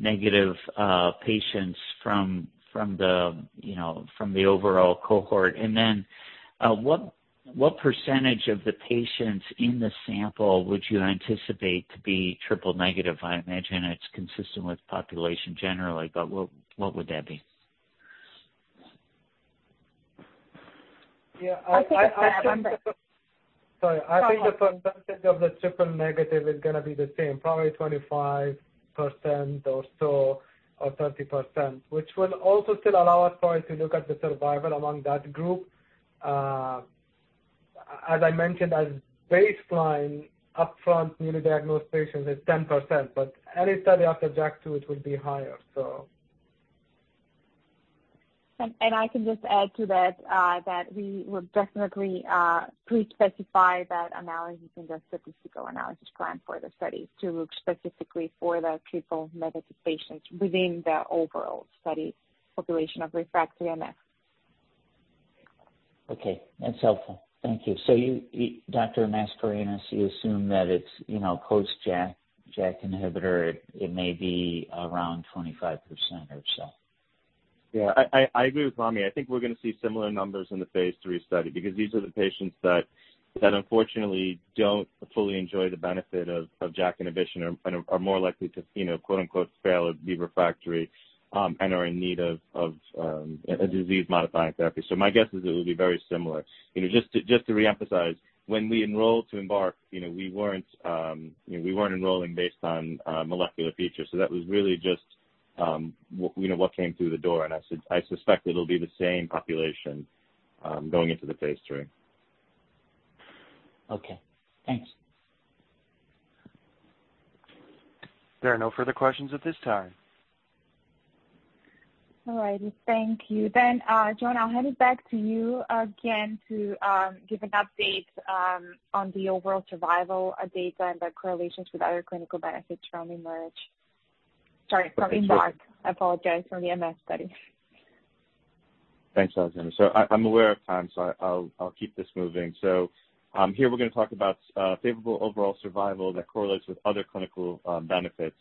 triple-negative patients from the overall cohort. And then what percentage of the patients in the sample would you anticipate to be triple-negative? I imagine it's consistent with population generally, but what would that be? Yeah. I think the. I think the. Sorry. I think the percentage of the triple-negative is going to be the same, probably 25% or so or 30%, which will also still allow us probably to look at the survival among that group. As I mentioned, as baseline, upfront newly diagnosed patients is 10%. Any study after JAK2, it will be higher. I can just add to that that we will definitely pre-specify that analysis in the statistical analysis plan for the studies to look specifically for the triple-negative patients within the overall study population of refractory MF. Okay. That's helpful. Thank you. Dr. Mascarenhas, you assume that it's post-JAK inhibitor. It may be around 25% or so. Yeah. I agree with Rami. I think we're going to see similar numbers in the phase III study because these are the patients that unfortunately don't fully enjoy the benefit of JAK inhibition or are more likely to "fail" or be refractory and are in need of a disease-modifying therapy. My guess is it will be very similar. Just to reemphasize, when we enrolled to IMbark, we weren't enrolling based on molecular features. That was really just what came through the door. I suspect it'll be the same population going into the phase III. Okay. Thanks. There are no further questions at this time. All righty. Thank you. John, I'll hand it back to you again to give an update on the overall survival data and the correlations with other clinical benefits from IMbark—sorry, from IMbark. I apologize—from the MF study. Thanks, Aleksandra. I am aware of time, so I'll keep this moving. Here, we're going to talk about favorable overall survival that correlates with other clinical benefits,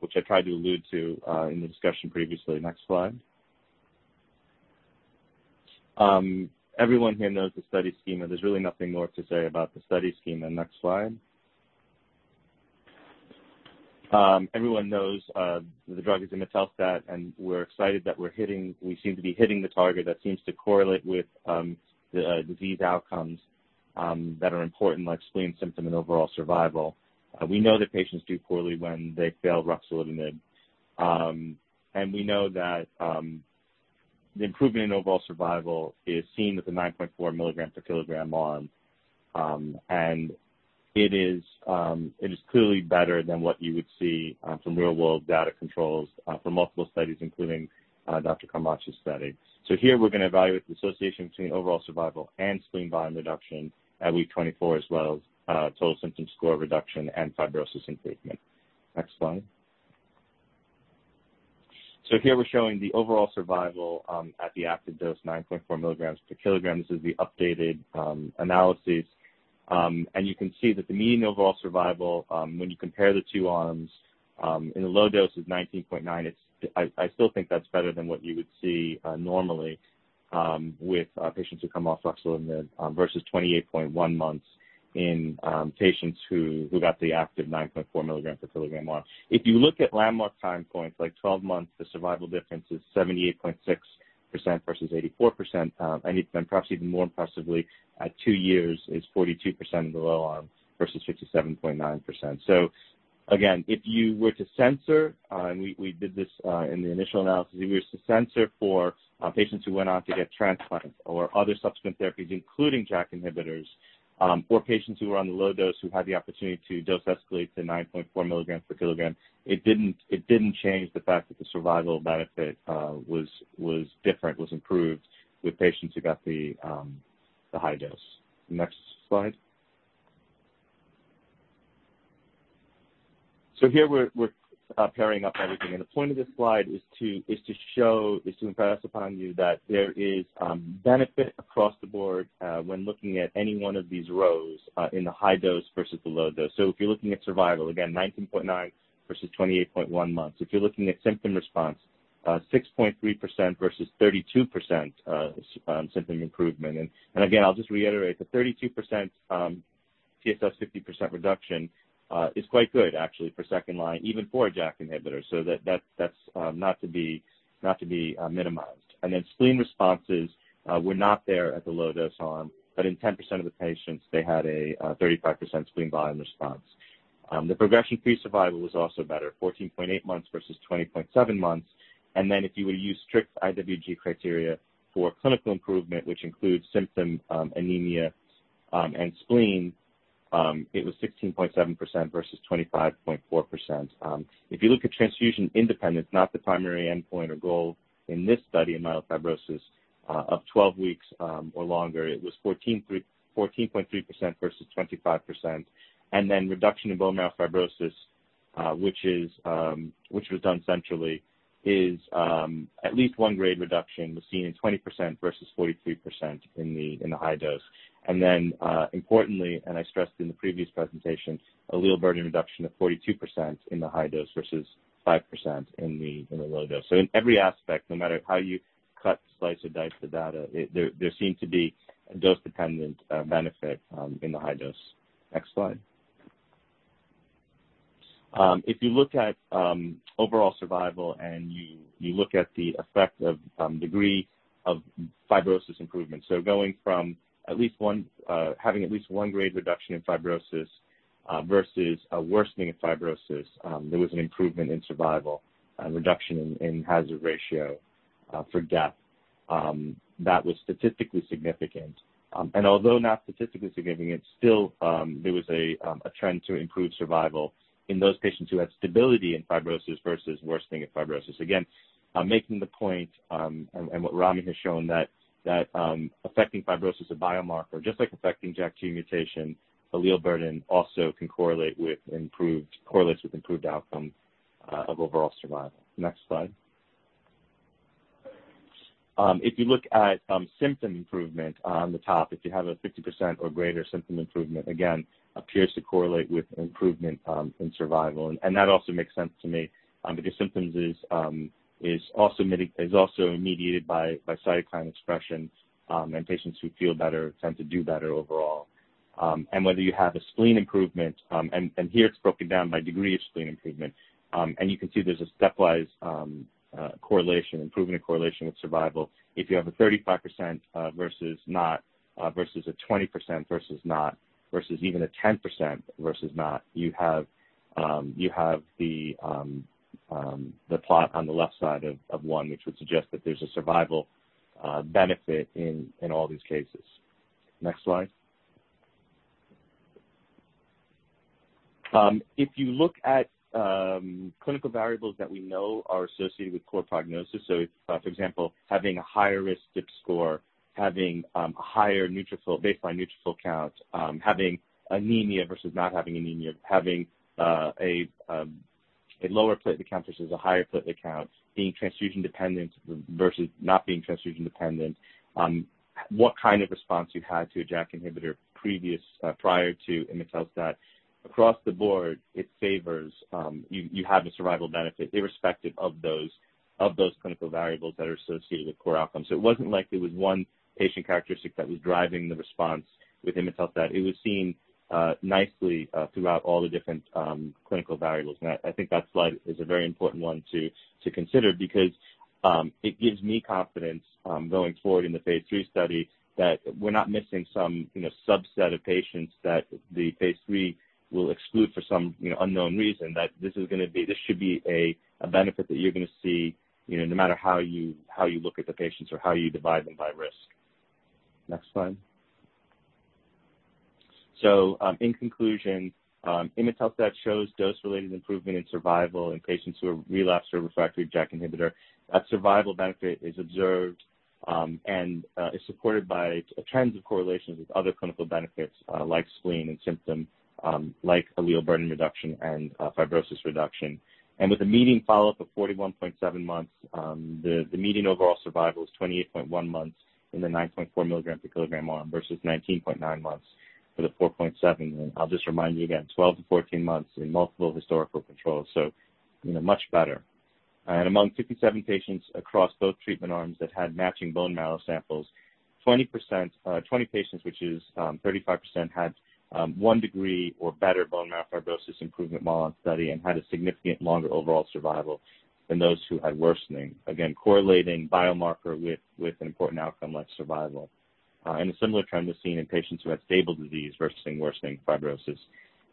which I tried to allude to in the discussion previously. Next slide. Everyone here knows the study schema. There's really nothing more to say about the study schema. Next slide. Everyone knows the drug is imetelstat, and we're excited that we seem to be hitting the target that seems to correlate with the disease outcomes that are important, like spleen, symptom, and overall survival. We know that patients do poorly when they fail ruxolitinib. We know that the improvement in overall survival is seen with the 9.4 mg per kg on, and it is clearly better than what you would see from real-world data controls from multiple studies, including Dr. Komrokji's study. Here, we're going to evaluate the association between overall survival and spleen volume reduction at week 24 as well as total symptom score reduction and fibrosis improvement. Next slide. Here, we're showing the overall survival at the active dose, 9.4 mg per kg. This is the updated analysis. You can see that the mean overall survival, when you compare the two arms in the low dose, is 19.9. I still think that's better than what you would see normally with patients who come off ruxolitinib versus 28.1 months in patients who got the active 9.4 mg per kg arm. If you look at landmark time points, like 12 months, the survival difference is 78.6% versus 84%. Perhaps even more impressively, at two years, it's 42% in the low arm versus 57.9%. If you were to censor—and we did this in the initial analysis—if we were to censor for patients who went on to get transplants or other subsequent therapies, including JAK inhibitors, or patients who were on the low dose who had the opportunity to dose escalate to 9.4 milligrams per kilogram, it did not change the fact that the survival benefit was different, was improved with patients who got the high dose. Next slide. Here, we are pairing up everything. The point of this slide is to show, to impress upon you that there is benefit across the board when looking at any one of these rows in the high dose versus the low dose. If you are looking at survival, again, 19.9 versus 28.1 months. If you are looking at symptom response, 6.3% versus 32% symptom improvement. I will just reiterate, the 32% TSS 50% reduction is quite good, actually, for second line, even for a JAK inhibitor. That is not to be minimized. Spleen responses, we are not there at the low dose on, but in 10% of the patients, they had a 35% spleen volume response. The progression-free survival was also better, 14.8 months versus 20.7 months. If you were to use strict IWG criteria for clinical improvement, which includes symptom, anemia, and spleen, it was 16.7% versus 25.4%. If you look at transfusion independence, not the primary endpoint or goal in this study in myelofibrosis of 12 weeks or longer, it was 14.3% versus 25%. Reduction in bone marrow fibrosis, which was done centrally, is at least one-grade reduction was seen in 20% versus 43% in the high dose. Importantly, and I stressed in the previous presentation, allele burden reduction of 42% in the high dose versus 5% in the low dose. In every aspect, no matter how you cut, slice, or dice the data, there seemed to be a dose-dependent benefit in the high dose. Next slide. If you look at overall survival and you look at the effect of degree of fibrosis improvement, going from having at least one-grade reduction in fibrosis versus a worsening of fibrosis, there was an improvement in survival and reduction in hazard ratio for death. That was statistically significant. Although not statistically significant, still, there was a trend to improve survival in those patients who had stability in fibrosis versus worsening of fibrosis. Again, making the point and what Rami has shown that affecting fibrosis as a biomarker just like affecting JAK2 mutation allele burden also correlates with improved outcome of overall survival. Next slide. If you look at symptom improvement on the top, if you have a 50% or greater symptom improvement, again, appears to correlate with improvement in survival. That also makes sense to me because symptoms is also mediated by cytokine expression. Patients who feel better tend to do better overall. Whether you have a spleen improvement, and here, it's broken down by degree of spleen improvement. You can see there's a stepwise correlation, improvement correlation with survival. If you have a 35% versus not versus a 20% versus not versus even a 10% versus not, you have the plot on the left side of one, which would suggest that there's a survival benefit in all these cases. Next slide. If you look at clinical variables that we know are associated with poor prognosis, for example, having a higher risk score, having a higher baseline neutrophil count, having anemia versus not having anemia, having a lower platelet count versus a higher platelet count, being transfusion dependent versus not being transfusion dependent, what kind of response you had to a JAK inhibitor prior to imetelstat, across the board, it favors you have a survival benefit irrespective of those clinical variables that are associated with poor outcome. It was not like it was one patient characteristic that was driving the response with imetelstat. It was seen nicely throughout all the different clinical variables. I think that slide is a very important one to consider because it gives me confidence going forward in the phase III study that we're not missing some subset of patients that the phase III will exclude for some unknown reason, that this is going to be this should be a benefit that you're going to see no matter how you look at the patients or how you divide them by risk. Next slide. In conclusion, imetelstat shows dose-related improvement in survival in patients who are relapsed or refractory to JAK inhibitor. That survival benefit is observed and is supported by trends of correlations with other clinical benefits like spleen and symptom, like allele burden reduction and fibrosis reduction. With a median follow-up of 41.7 months, the median overall survival is 28.1 months in the 9.4 milligram per kilogram arm versus 19.9 months for the 4.7. I'll just remind you again, 12-14 months in multiple historical controls, so much better. Among 57 patients across both treatment arms that had matching bone marrow samples, 20 patients, which is 35%, had one degree or better bone marrow fibrosis improvement while on study and had a significantly longer overall survival than those who had worsening. Again, correlating biomarker with an important outcome like survival. A similar trend was seen in patients who had stable disease versus worsening fibrosis.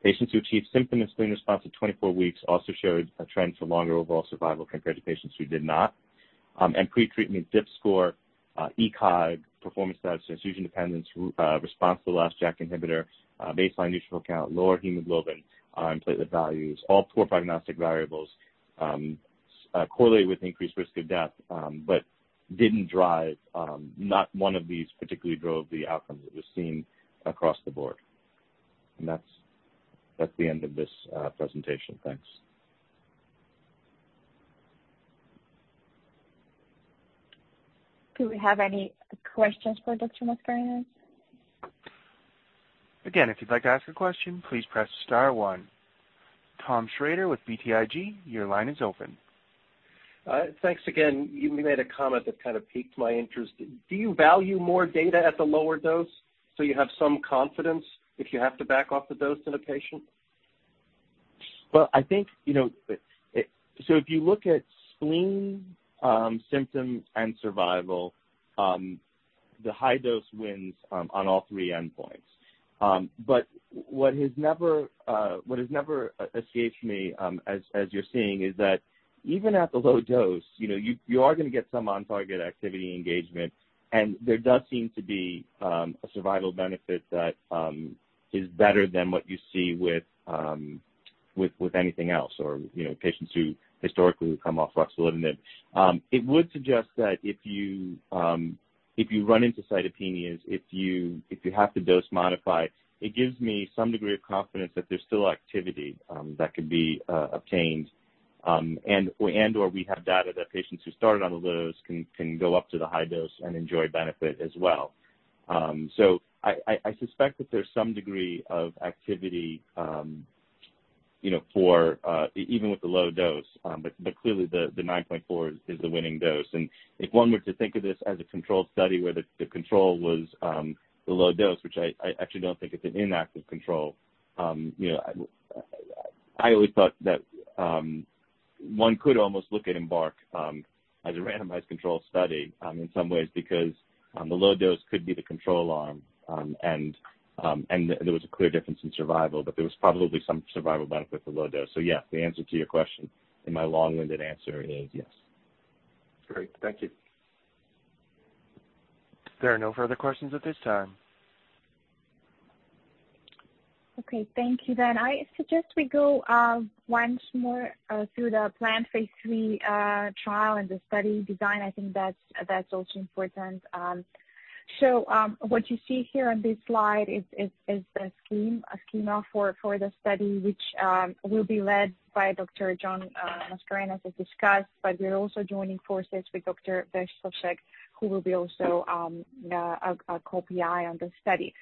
Patients who achieved symptom and spleen response at 24 weeks also showed a trend for longer overall survival compared to patients who did not. Pretreatment DIPSS score, ECOG performance status, transfusion dependence, response to the last JAK inhibitor, baseline neutrophil count, lower hemoglobin, and platelet values, all poor prognostic variables, correlated with increased risk of death but did not drive—not one of these particularly drove—the outcomes that were seen across the board. That is the end of this presentation. Thanks. Do we have any questions for Dr. Mascarenhas? Again, if you'd like to ask a question, please press star one. Tom Schrader with BTIG, your line is open. Thanks again. You made a comment that kind of piqued my interest. Do you value more data at the lower dose so you have some confidence if you have to back off the dose in a patient? I think if you look at spleen, symptom, and survival, the high dose wins on all three endpoints. What has never escaped me, as you're seeing, is that even at the low dose, you are going to get some on-target activity engagement. There does seem to be a survival benefit that is better than what you see with anything else or patients who historically come off ruxolitinib. It would suggest that if you run into cytopenias, if you have to dose modify, it gives me some degree of confidence that there's still activity that could be obtained. We have data that patients who started on the low dose can go up to the high dose and enjoy benefit as well. I suspect that there's some degree of activity even with the low dose. Clearly, the 9.4 is the winning dose. If one were to think of this as a controlled study where the control was the low dose, which I actually do not think is an inactive control, I always thought that one could almost look at IMbark as a randomized controlled study in some ways because the low dose could be the control arm. There was a clear difference in survival, but there was probably some survival benefit with the low dose. Yes, the answer to your question in my long-winded answer is yes. Great. Thank you. There are no further questions at this time. Okay. Thank you then. I suggest we go once more through the planned phase III trial and the study design. I think that's also important. What you see here on this slide is the schema for the study, which will be led by Dr. John Mascarenhas, as discussed. We are also joining forces with Dr. Verstovsek, who will be also a co-PI on the study.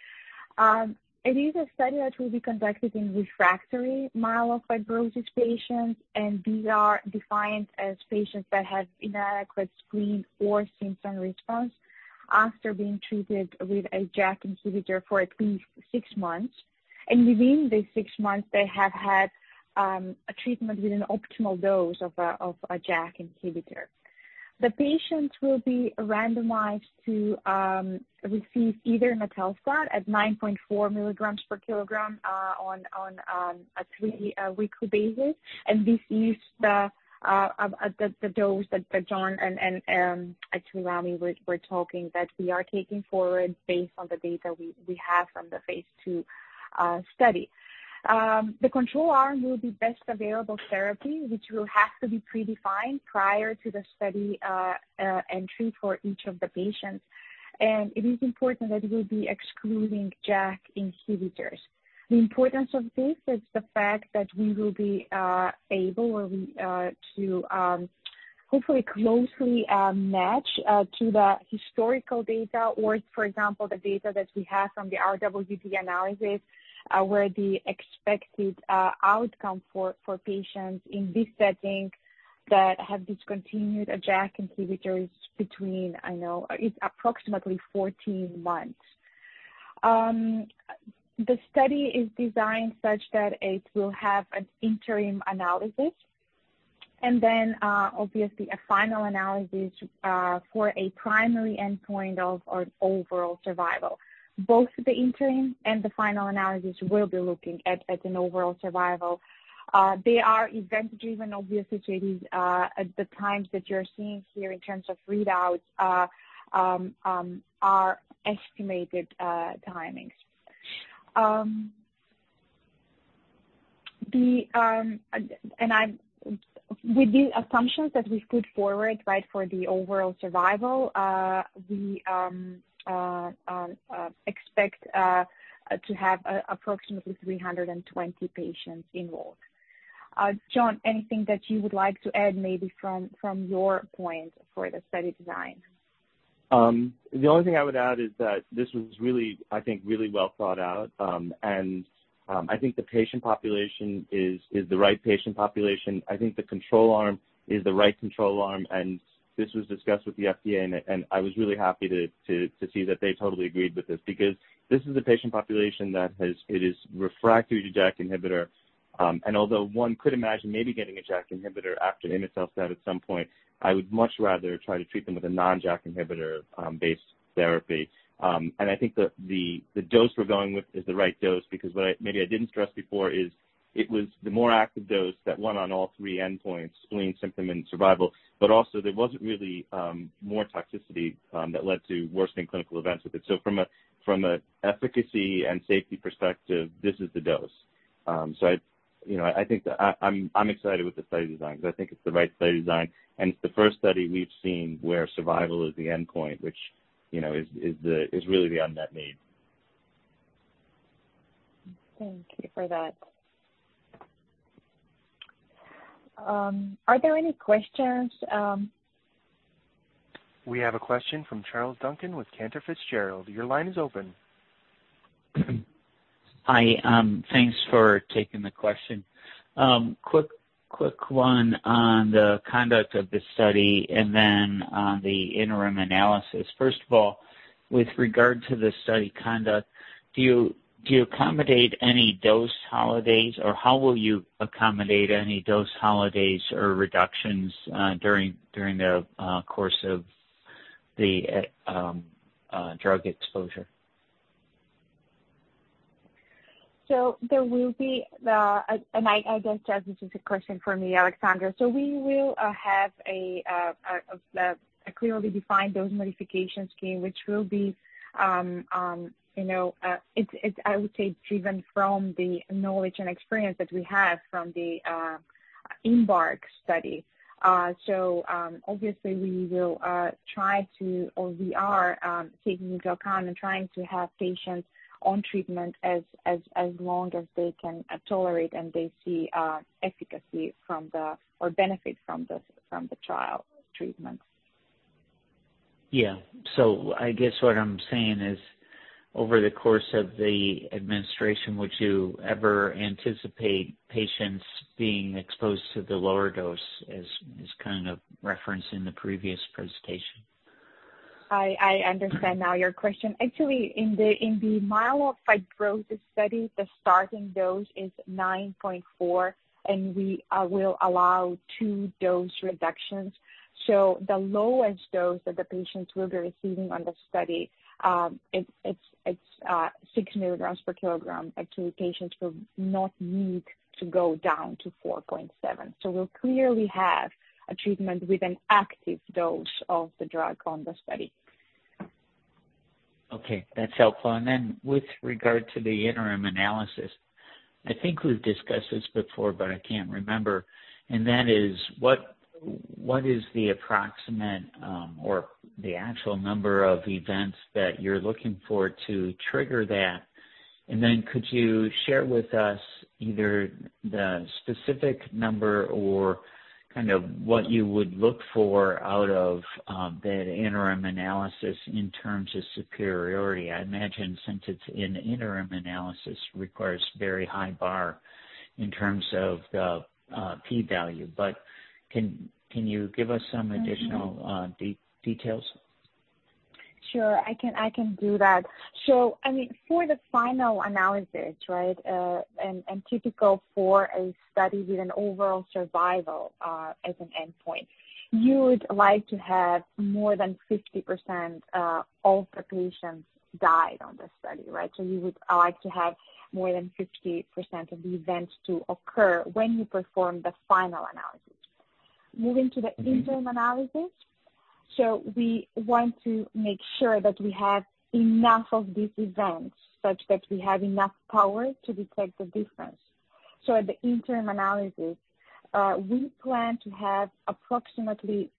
It is a study that will be conducted in refractory myelofibrosis patients. These are defined as patients that have inadequate spleen or symptom response after being treated with a JAK inhibitor for at least six months. Within these six months, they have had treatment with an optimal dose of a JAK inhibitor. The patients will be randomized to receive either imetelstat at 9.4 milligrams per kilogram on a three-week basis. This is the dose that John and actually Rami were talking that we are taking forward based on the data we have from the phase II study. The control arm will be best available therapy, which will have to be predefined prior to the study entry for each of the patients. It is important that we will be excluding JAK inhibitors. The importance of this is the fact that we will be able to hopefully closely match to the historical data or, for example, the data that we have from the RWD analysis where the expected outcome for patients in this setting that have discontinued a JAK inhibitor is between, I know, it's approximately 14 months. The study is designed such that it will have an interim analysis and then, obviously, a final analysis for a primary endpoint of overall survival. Both the interim and the final analysis will be looking at an overall survival. They are event-driven, obviously, so it is at the times that you're seeing here in terms of readouts are estimated timings. With the assumptions that we've put forward, right, for the overall survival, we expect to have approximately 320 patients involved. John, anything that you would like to add maybe from your point for the study design? The only thing I would add is that this was really, I think, really well thought out. I think the patient population is the right patient population. I think the control arm is the right control arm. This was discussed with the FDA. I was really happy to see that they totally agreed with this because this is a patient population that is refractory to JAK inhibitor. Although one could imagine maybe getting a JAK inhibitor after imetelstat at some point, I would much rather try to treat them with a non-JAK inhibitor-based therapy. I think the dose we're going with is the right dose because what maybe I didn't stress before is it was the more active dose that won on all three endpoints, spleen, symptom, and survival. Also, there wasn't really more toxicity that led to worsening clinical events with it. From an efficacy and safety perspective, this is the dose. I think I'm excited with the study design because I think it's the right study design. It's the first study we've seen where survival is the endpoint, which is really the unmet need. Thank you for that. Are there any questions? We have a question from Charles Duncan with Cantor Fitzgerald. Your line is open. Hi. Thanks for taking the question. Quick one on the conduct of the study and then on the interim analysis. First of all, with regard to the study conduct, do you accommodate any dose holidays or how will you accommodate any dose holidays or reductions during the course of the drug exposure? There will be a—I guess that this is a question for me, Aleksandra. We will have a clearly defined dose modification scheme, which will be—I would say it is driven from the knowledge and experience that we have from the IMbark study. Obviously, we will try to—or we are taking into account and trying to have patients on treatment as long as they can tolerate and they see efficacy from or benefit from the trial treatment. Yeah. I guess what I'm saying is over the course of the administration, would you ever anticipate patients being exposed to the lower dose as kind of referenced in the previous presentation? I understand now your question. Actually, in the myelofibrosis study, the starting dose is 9.4. We will allow two dose reductions. The lowest dose that the patients will be receiving on the study is 6 milligrams per kilogram. Actually, patients will not need to go down to 4.7. We will clearly have a treatment with an active dose of the drug on the study. Okay. That's helpful. With regard to the interim analysis, I think we've discussed this before, but I can't remember. That is, what is the approximate or the actual number of events that you're looking for to trigger that? Could you share with us either the specific number or kind of what you would look for out of the interim analysis in terms of superiority? I imagine since it's an interim analysis, it requires a very high bar in terms of the p-value. Can you give us some additional details? Sure. I can do that. I mean, for the final analysis, right, and typical for a study with an overall survival as an endpoint, you would like to have more than 50% of the patients died on the study, right? You would like to have more than 50% of the events to occur when you perform the final analysis. Moving to the interim analysis, we want to make sure that we have enough of these events such that we have enough power to detect the difference. At the interim analysis, we plan to have approximately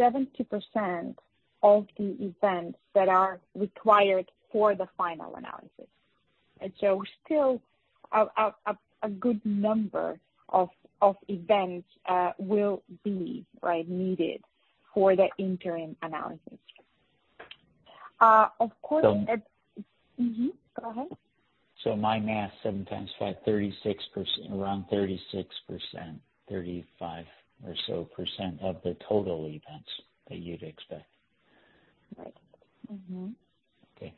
70% of the events that are required for the final analysis. Still, a good number of events will be, right, needed for the interim analysis. Of course. So. Go ahead. My math, 7 times 5, 36%, around 36%, 35 or so % of the total events that you'd expect. Right. Okay.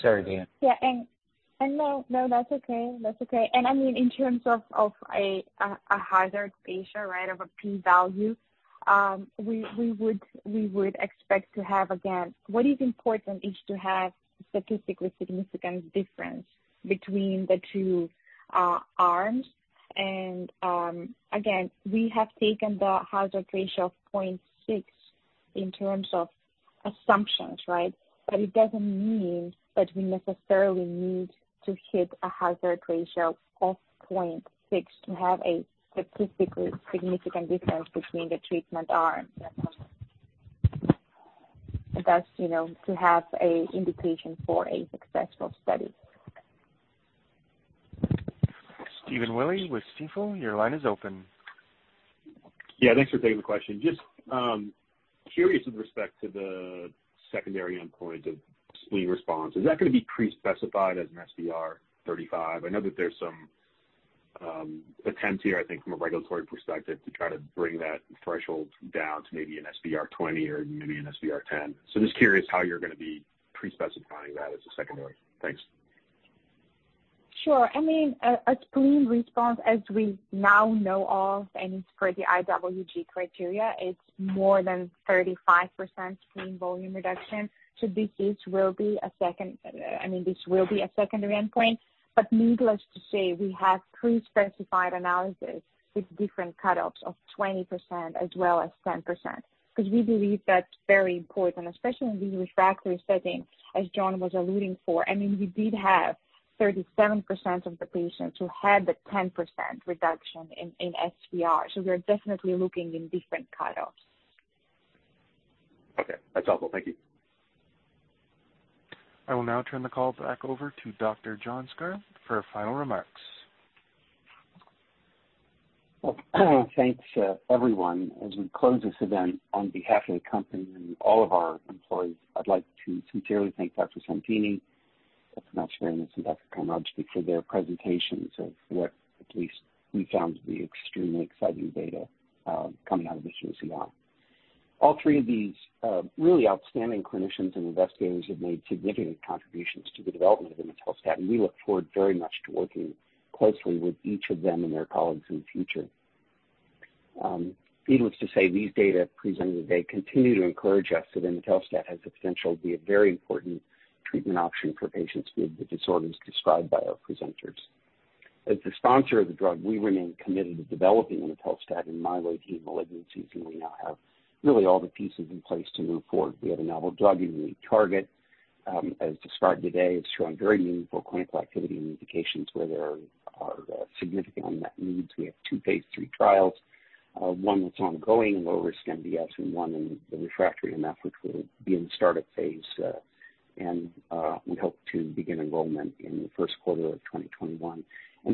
Sorry, Diane. Yeah. No, no, that's okay. That's okay. I mean, in terms of a hazard ratio, right, of a p-value, we would expect to have, again, what is important is to have statistically significant difference between the two arms. Again, we have taken the hazard ratio of 0.6 in terms of assumptions, right? It does not mean that we necessarily need to hit a hazard ratio of 0.6 to have a statistically significant difference between the treatment arms. That is to have an indication for a successful study. Stephen Willey with Stifel, your line is open. Yeah. Thanks for taking the question. Just curious with respect to the secondary endpoint of spleen response. Is that going to be pre-specified as an SBR 35? I know that there's some attempts here, I think, from a regulatory perspective to try to bring that threshold down to maybe an SBR 20 or maybe an SBR 10. Just curious how you're going to be pre-specifying that as a secondary. Thanks. Sure. I mean, a spleen response, as we now know of, and it's for the IWG criteria, it's more than 35% spleen volume reduction. This will be a secondary endpoint. Needless to say, we have pre-specified analysis with different cutoffs of 20% as well as 10% because we believe that's very important, especially in the refractory setting, as John was alluding for. I mean, we did have 37% of the patients who had the 10% reduction in SBR. We are definitely looking in different cutoffs. Okay. That's helpful. Thank you. I will now turn the call back over to Dr. John Scarlett for final remarks. Thanks, everyone. As we close this event on behalf of the company and all of our employees, I'd like to sincerely thank Dr. Santini, Dr. Mascarenhas, and Dr. Komrokji for their presentations of what at least we found to be extremely exciting data coming out of the CCI. All three of these really outstanding clinicians and investigators have made significant contributions to the development of imetelstat. We look forward very much to working closely with each of them and their colleagues in the future. Needless to say, these data presented today continue to encourage us that imetelstat has the potential to be a very important treatment option for patients with the disorders described by our presenters. As the sponsor of the drug, we remain committed to developing imetelstat in myeloid heme malignancies. We now have really all the pieces in place to move forward. We have a novel drug in the target. As described today, it's shown very meaningful clinical activity and indications where there are significant unmet needs. We have two phase III trials: one that's ongoing in low-risk MDS and one in the refractory MF, which will be in the startup phase. We hope to begin enrollment in the first quarter of 2021.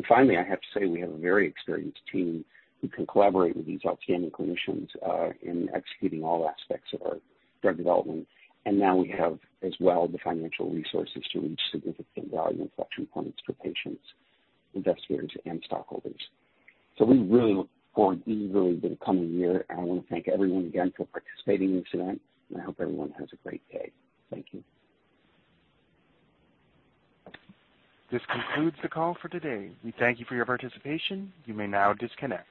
Finally, I have to say we have a very experienced team who can collaborate with these outstanding clinicians in executing all aspects of our drug development. We have, as well, the financial resources to reach significant value inflection points for patients, investigators, and stockholders. We really look forward eagerly to the coming year. I want to thank everyone again for participating in this event. I hope everyone has a great day. Thank you. This concludes the call for today. We thank you for your participation. You may now disconnect.